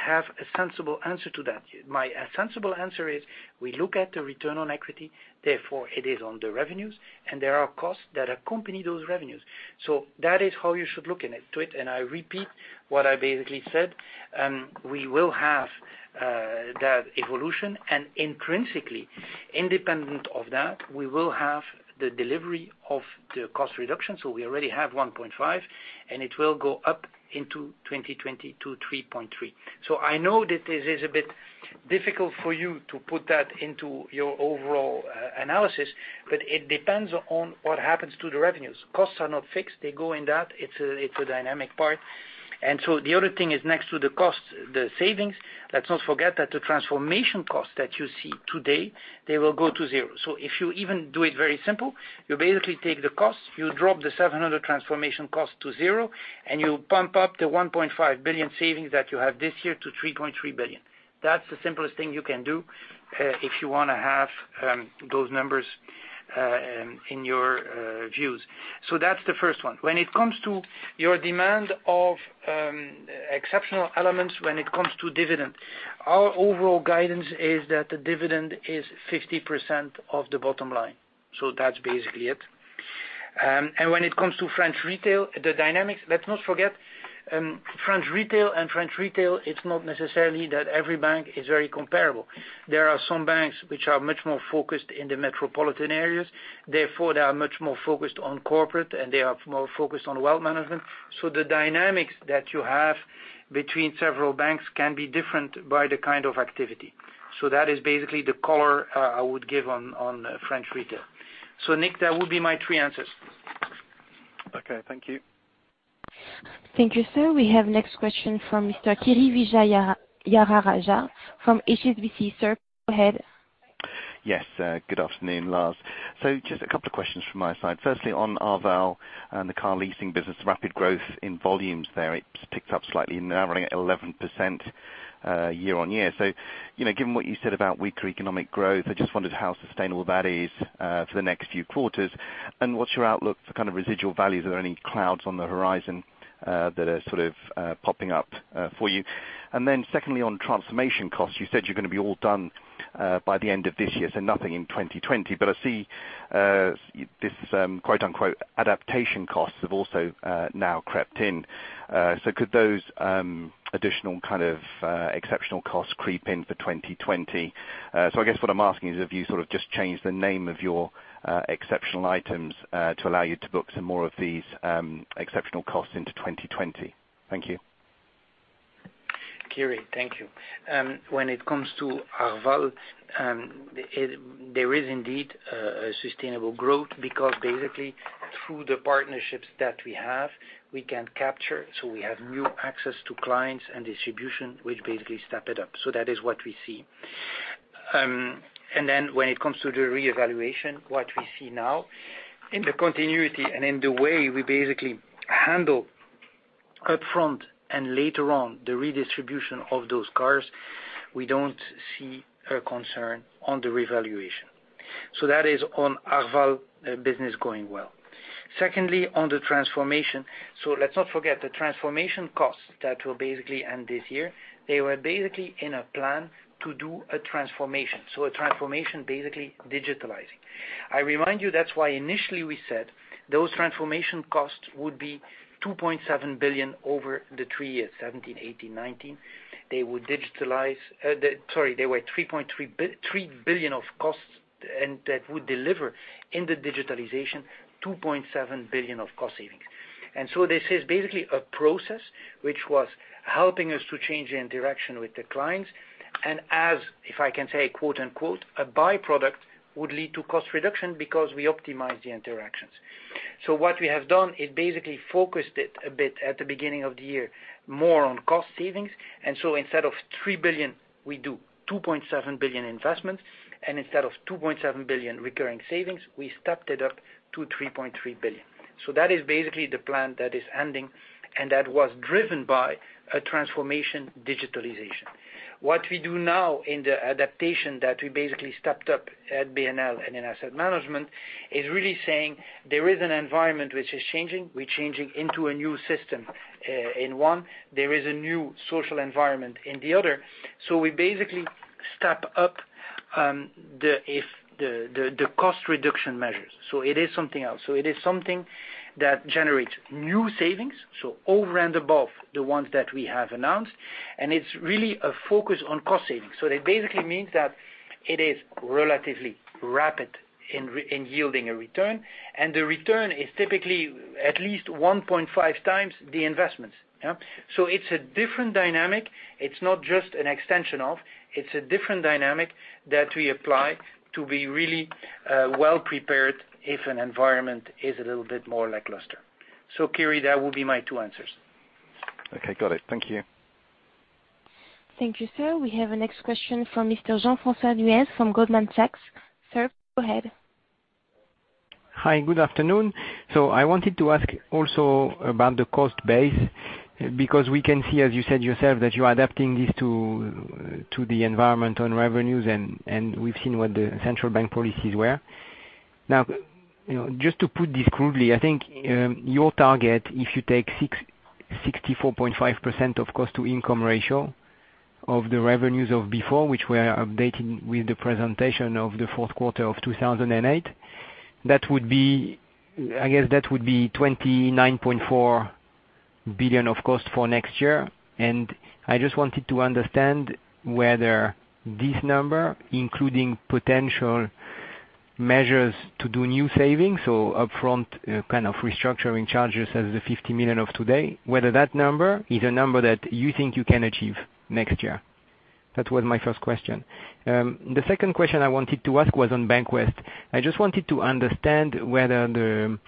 have a sensible answer to that. My sensible answer is we look at the return on equity, therefore it is on the revenues, and there are costs that accompany those revenues. That is how you should look into it. I repeat what I basically said, we will have that evolution, and intrinsically, independent of that, we will have the delivery of the cost reduction. We already have 1.5 billion, and it will go up into 2020 to 3.3 billion. I know that this is a bit difficult for you to put that into your overall analysis, but it depends on what happens to the revenues. Costs are not fixed. They go in that. It's a dynamic part. The other thing is next to the cost, the savings, let's not forget that the transformation costs that you see today, they will go to zero. If you even do it very simple, you basically take the cost, you drop the 700 transformation cost to zero, and you pump up the 1.5 billion savings that you have this year to 3.3 billion. That's the simplest thing you can do if you want to have those numbers in your views. That's the first one. When it comes to your demand of exceptional elements when it comes to dividend, our overall guidance is that the dividend is 50% of the bottom line. That's basically it. When it comes to French retail, the dynamics, let's not forget French retail, it's not necessarily that every bank is very comparable. There are some banks which are much more focused in the metropolitan areas, therefore they are much more focused on corporate and they are more focused on wealth management. The dynamics that you have between several banks can be different by the kind of activity. That is basically the color I would give on French retail. Nick, that would be my three answers. Okay. Thank you. Thank you, sir. We have next question from Mr. Kiri Vijayarajah from HSBC. Sir, go ahead. Yes. Good afternoon, Lars. Just a couple of questions from my side. Firstly, on Arval and the car leasing business, rapid growth in volumes there, it's ticked up slightly now running at 11% year-on-year. Given what you said about weaker economic growth, I just wondered how sustainable that is for the next few quarters. What's your outlook for residual values? Are there any clouds on the horizon that are sort of popping up for you? Secondly, on transformation costs, you said you're going to be all done by the end of this year, so nothing in 2020. I see this quote-unquote adaptation costs have also now crept in. Could those additional kind of exceptional costs creep in for 2020? I guess what I'm asking is if you sort of just changed the name of your exceptional items to allow you to book some more of these exceptional costs into 2020. Thank you. Kiri, thank you. When it comes to Arval, there is indeed a sustainable growth because basically through the partnerships that we have, we can capture, so we have new access to clients and distribution, which basically step it up. That is what we see. When it comes to the revaluation, what we see now in the continuity and in the way we basically handle upfront and later on the redistribution of those cars, we don't see a concern on the revaluation. That is on Arval business going well. Secondly, on the transformation. Let's not forget the transformation costs that will basically end this year. They were basically in a plan to do a transformation. A transformation basically digitalizing. I remind you that's why initially we said those transformation costs would be 2.7 billion over the three years 2017, 2018, 2019. They were 3.3 billion of costs and that would deliver in the digitalization 2.7 billion of cost savings. This is basically a process which was helping us to change the interaction with the clients. As if I can say, "A byproduct would lead to cost reduction because we optimize the interactions." What we have done is basically focused it a bit at the beginning of the year, more on cost savings. Instead of 3 billion, we do 2.7 billion investments, and instead of 2.7 billion recurring savings, we stepped it up to 3.3 billion. That is basically the plan that is ending, and that was driven by a transformation digitalization. What we do now in the adaptation that we basically stepped up at BNL and in asset management is really saying there is an environment which is changing. We're changing into a new system in one. There is a new social environment in the other. We basically step up the cost reduction measures. It is something else. It is something that generates new savings, over and above the ones that we have announced. It's really a focus on cost savings. That basically means that it is relatively rapid in yielding a return, and the return is typically at least 1.5x the investments. It's a different dynamic. It's not just an extension of, it's a different dynamic that we apply to be really well prepared if an environment is a little bit more lackluster. Kiri, that will be my two answers. Okay, got it. Thank you. Thank you, sir. We have a next question from Mr. Jean-François Neuez from Goldman Sachs. Sir, go ahead. Hi, good afternoon. I wanted to ask also about the cost base, because we can see, as you said yourself, that you're adapting this to the environment on revenues, and we've seen what the central bank policies were. Just to put this crudely, I think your target, if you take 64.5% of cost to income ratio of the revenues of before, which we are updating with the presentation of the fourth quarter of 2008, I guess that would be 29.4 billion of cost for next year. I just wanted to understand whether this number, including potential measures to do new savings, so upfront kind of restructuring charges as the 50 million of today, whether that number is a number that you think you can achieve next year. That was my first question. The second question I wanted to ask was on BancWest. I just wanted to understand whether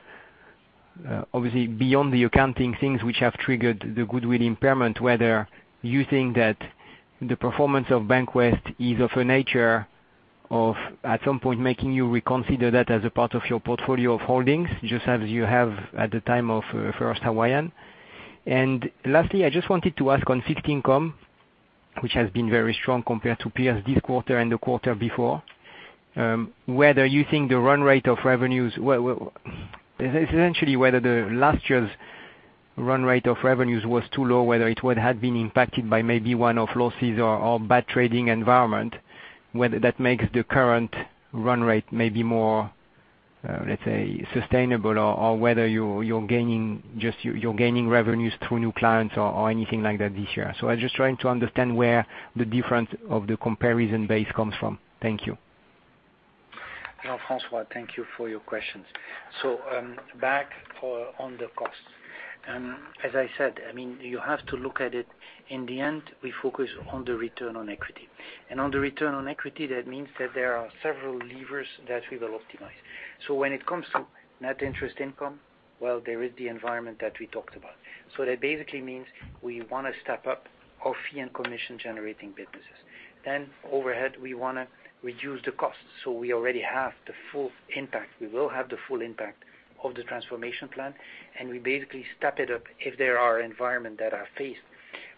obviously beyond the accounting things which have triggered the goodwill impairment, whether you think that the performance of BancWest is of a nature of at some point making you reconsider that as a part of your portfolio of holdings, just as you have at the time of First Hawaiian. Lastly, I just wanted to ask on fixed income, which has been very strong compared to peers this quarter and the quarter before, whether you think the run rate of revenues, essentially whether the last year's run rate of revenues was too low, whether it had been impacted by maybe one-off losses or bad trading environment, whether that makes the current run rate maybe more, let's say, sustainable, or whether you're gaining revenues through new clients or anything like that this year. I'm just trying to understand where the difference of the comparison base comes from. Thank you. Jean-François, thank you for your questions. Back on the costs. As I said, you have to look at it. In the end, we focus on the return on equity. On the return on equity, that means that there are several levers that we will optimize. When it comes to net interest income, well, there is the environment that we talked about. That basically means we want to step up our fee and commission-generating businesses. Overhead, we want to reduce the costs. We already have the full impact. We will have the full impact of the transformation plan, and we basically step it up if there are environment that are faced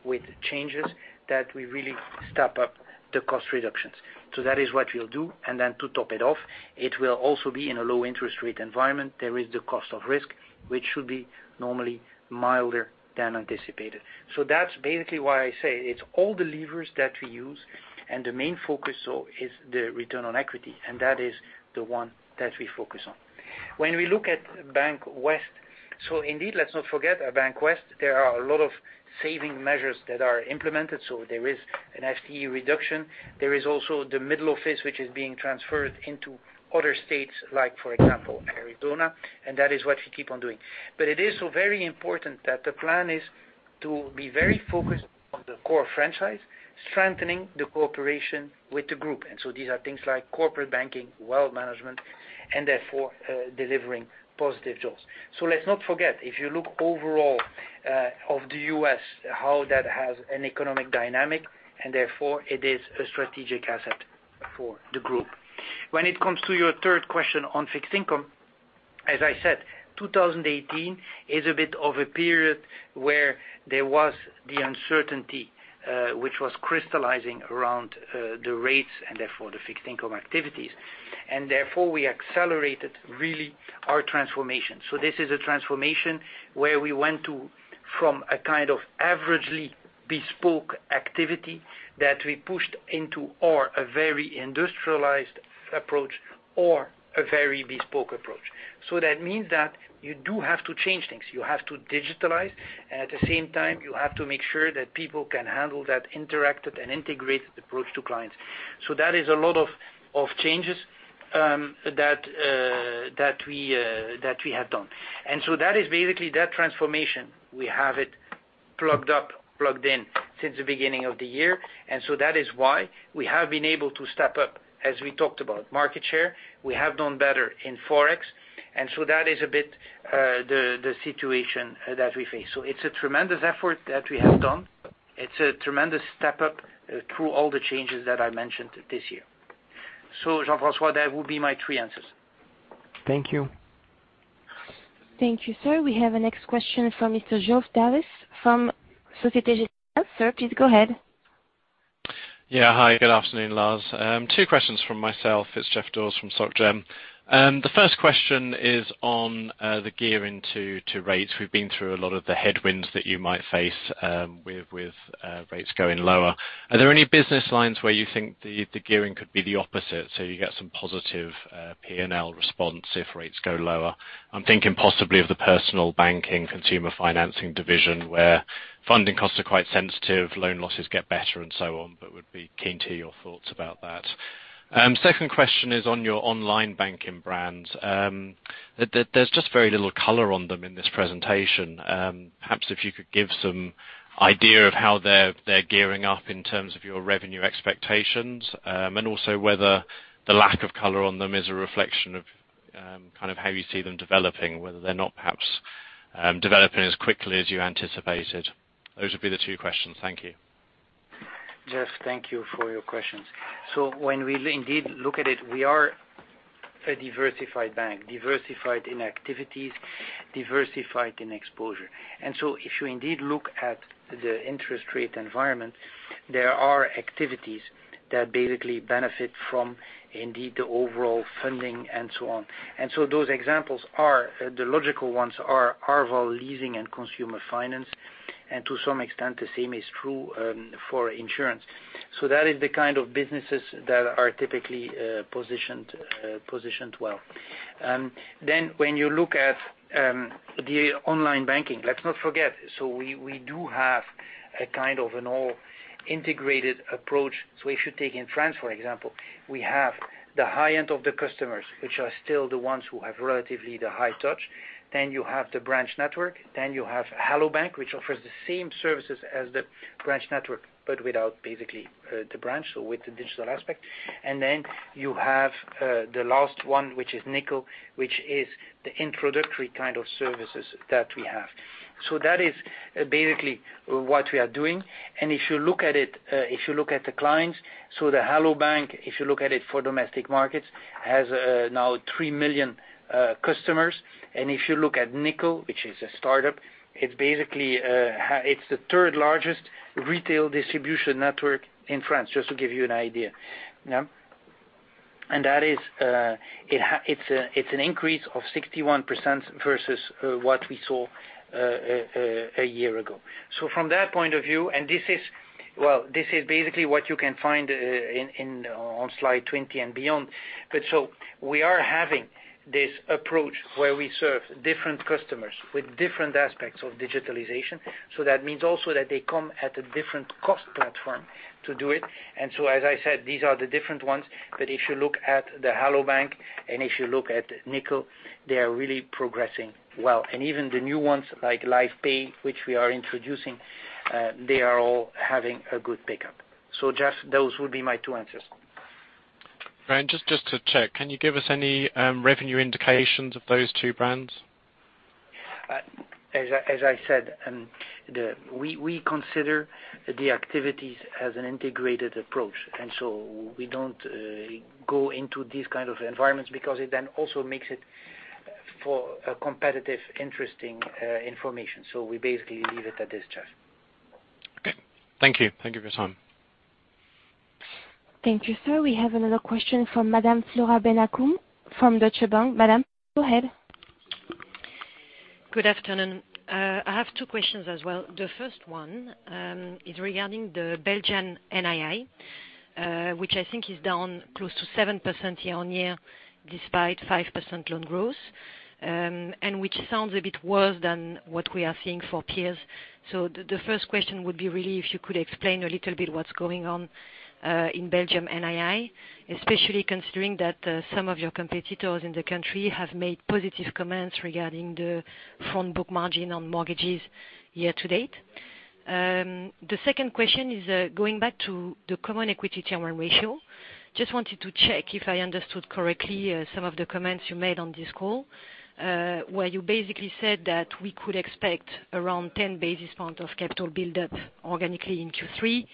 with changes that we really step up the cost reductions. That is what we'll do. To top it off, it will also be in a low interest rate environment. There is the cost of risk, which should be normally milder than anticipated. That's basically why I say it's all the levers that we use, and the main focus is the return on equity, and that is the one that we focus on. When we look at BancWest, indeed, let's not forget BancWest, there are a lot of saving measures that are implemented. There is an FTE reduction. There is also the middle office, which is being transferred into other states, like for example, Arizona, and that is what we keep on doing. It is so very important that the plan is to be very focused on the core franchise, strengthening the cooperation with the group. These are things like corporate banking, wealth management, therefore delivering positive jaws. Let's not forget, if you look overall of the U.S., how that has an economic dynamic, and therefore it is a strategic asset for the group. When it comes to your third question on fixed income, as I said, 2018 is a bit of a period where there was the uncertainty, which was crystallizing around the rates and therefore the fixed income activities. Therefore, we accelerated really our transformation. This is a transformation where we went to from a kind of averagely bespoke activity that we pushed into, or a very industrialized approach or a very bespoke approach. That means that you do have to change things. You have to digitalize. At the same time, you have to make sure that people can handle that interactive and integrated approach to clients. That is a lot of changes that we have done. That is basically that transformation. We have it plugged in since the beginning of the year. That is why we have been able to step up, as we talked about market share. We have done better in forex. That is a bit the situation that we face. It's a tremendous effort that we have done. It's a tremendous step up through all the changes that I mentioned this year. Jean-François, that will be my three answers. Thank you. Thank you, sir. We have a next question from Mr. Geoff Dawes from Société Générale. Sir, please go ahead. Yeah. Hi, good afternoon, Lars. Two questions from myself. It's Geoff Dawes from SocGen. The first question is on the gearing to rates. We've been through a lot of the headwinds that you might face with rates going lower. Are there any business lines where you think the gearing could be the opposite, so you get some positive P&L response if rates go lower? I'm thinking possibly of the personal banking, consumer financing division, where funding costs are quite sensitive, loan losses get better and so on, but would be keen to your thoughts about that. Second question is on your online banking brands. There's just very little color on them in this presentation. Perhaps if you could give some idea of how they're gearing up in terms of your revenue expectations, and also whether the lack of color on them is a reflection of how you see them developing, whether they're not perhaps developing as quickly as you anticipated. Those would be the two questions. Thank you. Geoff, thank you for your questions. When we indeed look at it, we are a diversified bank, diversified in activities, diversified in exposure. If you indeed look at the interest rate environment, there are activities that basically benefit from indeed the overall funding and so on. Those examples are the logical ones are Arval leasing and consumer finance, and to some extent, the same is true for insurance. That is the kind of businesses that are typically positioned well. When you look at the online banking, let's not forget, we do have a kind of an all integrated approach. If you take in France, for example, we have the high-end of the customers, which are still the ones who have relatively the high touch. You have the branch network, then you have Hello bank!, which offers the same services as the branch network, but without basically the branch, so with the digital aspect. You have the last one, which is Nickel, which is the introductory kind of services that we have. That is basically what we are doing. If you look at the clients, the Hello bank!, if you look at it for Domestic Markets, has now 3 million customers. If you look at Nickel, which is a startup, it's the third largest retail distribution network in France, just to give you an idea. That is an increase of 61% versus what we saw a year ago. From that point of view, and this is basically what you can find on slide 20 and beyond. We are having this approach where we serve different customers with different aspects of digitalization. That means also that they come at a different cost platform to do it. As I said, these are the different ones. If you look at the Hello bank! and if you look at Nickel, they are really progressing well. Even the new ones like Lyf Pay, which we are introducing, they are all having a good pickup. Just those would be my two answers. Just to check, can you give us any revenue indications of those two brands? As I said, we consider the activities as an integrated approach. We don't go into these kind of environments because it then also makes it for a competitive, interesting information. We basically leave it at this, Geoff. Okay. Thank you. Thank you for your time. Thank you, sir. We have another question from Madame Flora Bocahut from Deutsche Bank. Madame, go ahead. Good afternoon. I have two questions as well. The first one is regarding the Belgian NII, which I think is down close to 7% year-on-year, despite 5% loan growth, and which sounds a bit worse than what we are seeing for peers. The first question would be really if you could explain a little bit what's going on in Belgium NII, especially considering that some of your competitors in the country have made positive comments regarding the front book margin on mortgages year to date. The second question is going back to the Common Equity Tier 1 ratio. Just wanted to check if I understood correctly some of the comments you made on this call, where you basically said that we could expect around 10 basis points of capital buildup organically in Q3,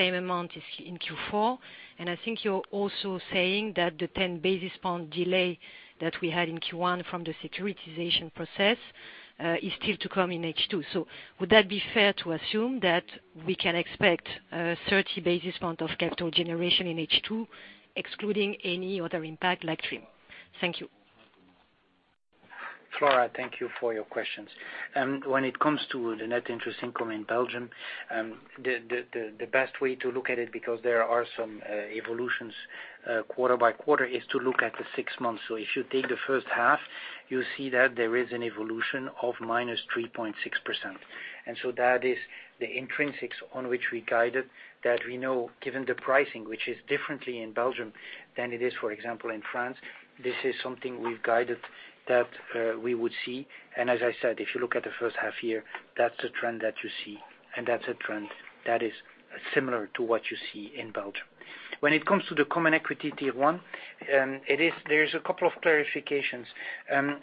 same amount in Q4. I think you're also saying that the 10 basis point delay that we had in Q1 from the securitization process is still to come in H2. Would that be fair to assume that we can expect a 30 basis point of capital generation in H2 excluding any other impact like TRIM? Thank you. Flora, thank you for your questions. When it comes to the net interest income in Belgium, the best way to look at it, because there are some evolutions quarter by quarter, is to look at the six months. If you take the first half, you see that there is an evolution of -3.6%. That is the intrinsics on which we guided that we know given the pricing, which is differently in Belgium than it is, for example, in France, this is something we've guided that we would see. As I said, if you look at the first half year, that's the trend that you see, and that's a trend that is similar to what you see in Belgium. When it comes to the Common Equity Tier 1, there's a couple of clarifications.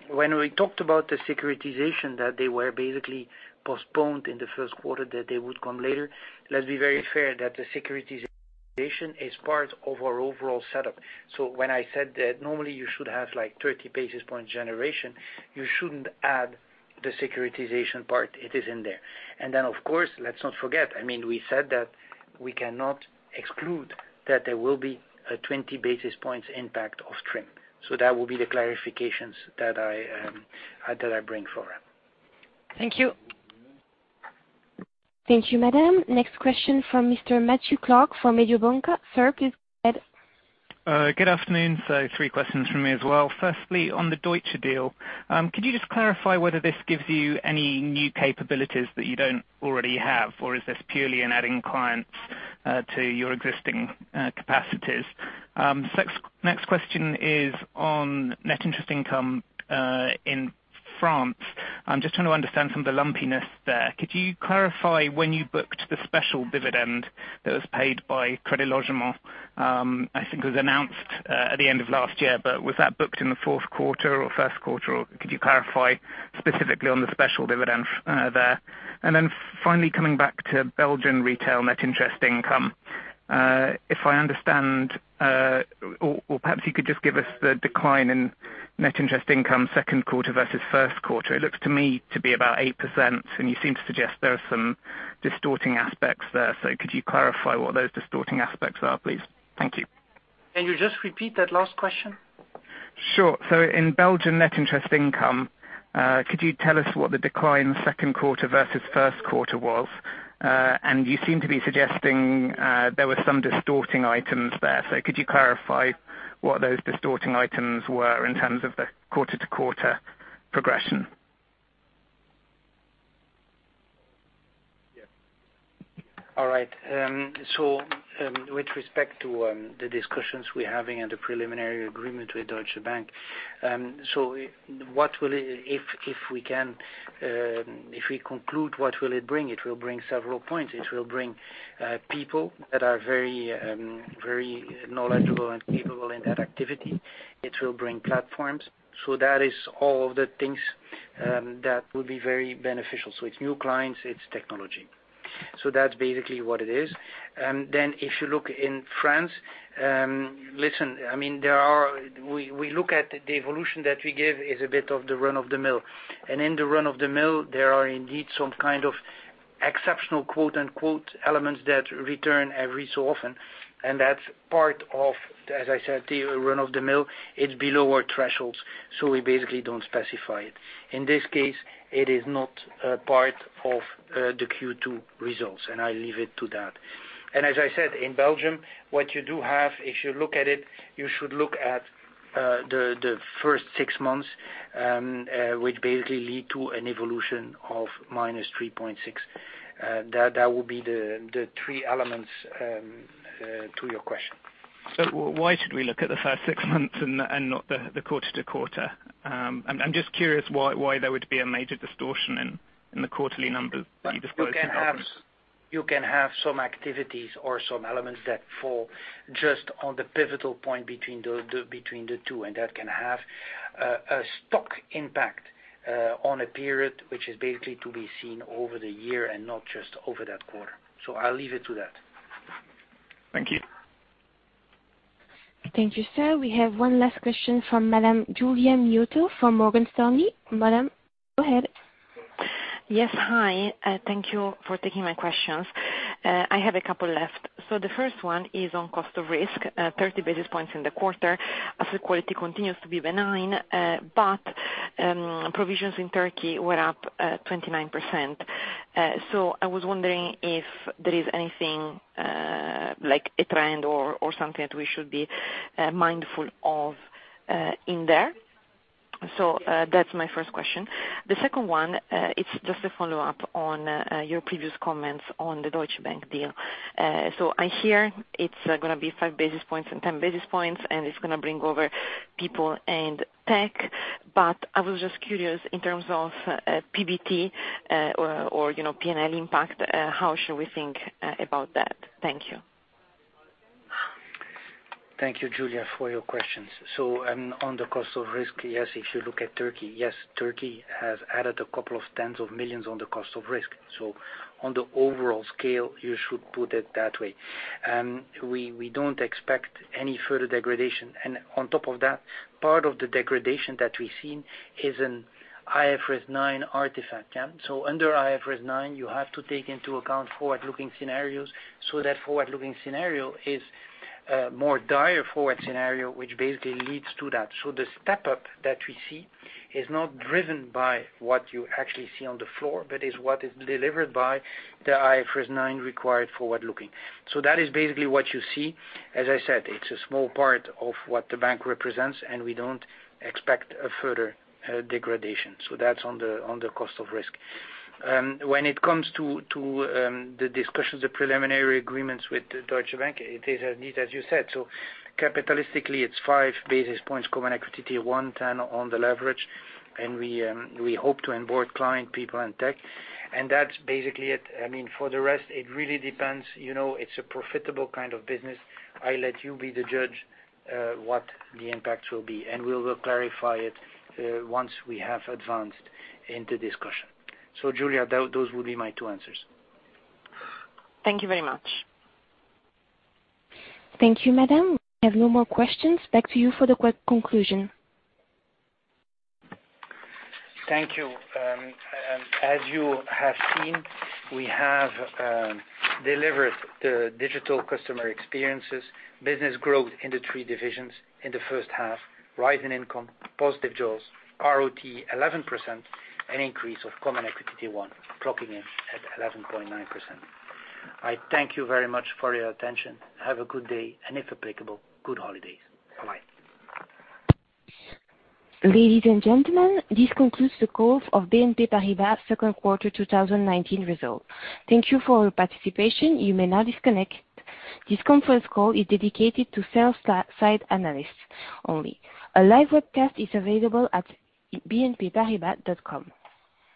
When we talked about the securitization that they were basically postponed in the first quarter, that they would come later, let's be very fair that the securitization is part of our overall setup. When I said that normally you should have 30 basis point generation, you shouldn't add the securitization part. It is in there. Of course, let's not forget, we said that we cannot exclude that there will be a 20 basis points impact of TRIM. That will be the clarifications that I bring forward. Thank you. Thank you, Madame. Next question from Mr. Matthew Clark from Mediobanca. Sir, please go ahead. Good afternoon, three questions from me as well. Firstly, on the Deutsche deal, could you just clarify whether this gives you any new capabilities that you don't already have? Is this purely in adding clients to your existing capacities? Next question is on net interest income in France. I'm just trying to understand some of the lumpiness there. Could you clarify when you booked the special dividend that was paid by Crédit Logement? I think it was announced at the end of last year, but was that booked in the fourth quarter or first quarter, or could you clarify specifically on the special dividend there? Finally coming back to Belgian retail net interest income. If I understand, or perhaps you could just give us the decline in net interest income second quarter versus first quarter. It looks to me to be about 8%, and you seem to suggest there are some distorting aspects there. Could you clarify what those distorting aspects are, please? Thank you. Can you just repeat that last question? Sure. In Belgian net interest income, could you tell us what the decline second quarter versus first quarter was? You seem to be suggesting there were some distorting items there. Could you clarify what those distorting items were in terms of the quarter-to-quarter progression? Yes. All right. With respect to the discussions we're having and the preliminary agreement with Deutsche Bank, so if we conclude, what will it bring? It will bring several points. It will bring people that are very knowledgeable and capable in that activity. It will bring platforms. That is all of the things that will be very beneficial. It's new clients, it's technology. That's basically what it is. If you look in France, listen, we look at the evolution that we give is a bit of the run-of-the-mill. In the run-of-the-mill, there are indeed some kind of exceptional, quote unquote, elements that return every so often, and that's part of, as I said, the run-of-the-mill, it's below our thresholds, so we basically don't specify it. In this case, it is not part of the Q2 results, and I leave it to that. As I said, in Belgium, what you do have, if you look at it, you should look at the first six months, which basically lead to an evolution of -3.6%. That would be the three elements to your question. Why should we look at the first six months and not the quarter to quarter? I'm just curious why there would be a major distortion in the quarterly numbers that you disclose in Belgium. You can have some activities or some elements that fall just on the pivotal point between the two. That can have a stock impact on a period which is basically to be seen over the year and not just over that quarter. I'll leave it to that. Thank you. Thank you, sir. We have one last question from Madame Giulia Miotto from Morgan Stanley. Madame, go ahead. Yes. Hi. Thank you for taking my questions. I have a couple left. The first one is on cost of risk, 30 basis points in the quarter. Asset quality continues to be benign. Provisions in Turkey were up 29%. I was wondering if there is anything like a trend or something that we should be mindful of in there. That's my first question. The second one, it's just a follow-up on your previous comments on the Deutsche Bank deal. I hear it's going to be 5 basis points and 10 basis points, and it's going to bring over people and tech. I was just curious in terms of PBT or P&L impact, how should we think about that? Thank you. Thank you, Giulia, for your questions. On the cost of risk, yes, if you look at Turkey, yes, Turkey has added a couple of tens of millions on the cost of risk. On the overall scale, you should put it that way. We don't expect any further degradation. On top of that, part of the degradation that we've seen is an IFRS 9 artifact. Under IFRS 9, you have to take into account forward-looking scenarios. That forward-looking scenario is a more dire forward scenario, which basically leads to that. The step-up that we see is not driven by what you actually see on the floor, but is what is delivered by the IFRS 9 required for forward looking. That is basically what you see. As I said, it's a small part of what the bank represents, and we don't expect a further degradation. That's on the cost of risk. When it comes to the discussions of preliminary agreements with Deutsche Bank, it is as you said. Capitalistically, it's 5 basis points, Common Equity Tier 1, 10 basis points on the leverage, and we hope to onboard client people and tech. That's basically it. For the rest, it really depends. It's a profitable kind of business. I let you be the judge what the impact will be, and we will clarify it once we have advanced in the discussion. Giulia, those would be my two answers. Thank you very much. Thank you, Madame. I have no more questions. Back to you for the quick conclusion. Thank you. As you have seen, we have delivered the digital customer experiences, business growth in the three divisions in the first half, rise in income, positive jaws, ROTE 11%, an increase of Common Equity Tier 1, clocking in at 11.9%. I thank you very much for your attention. Have a good day, and if applicable, good holidays. Bye. Ladies and gentlemen, this concludes the call of BNP Paribas Second Quarter 2019 Result. Thank you for your participation. You may now disconnect. This conference call is dedicated to sell-side analysts only. A live webcast is available at bnpparibas.com.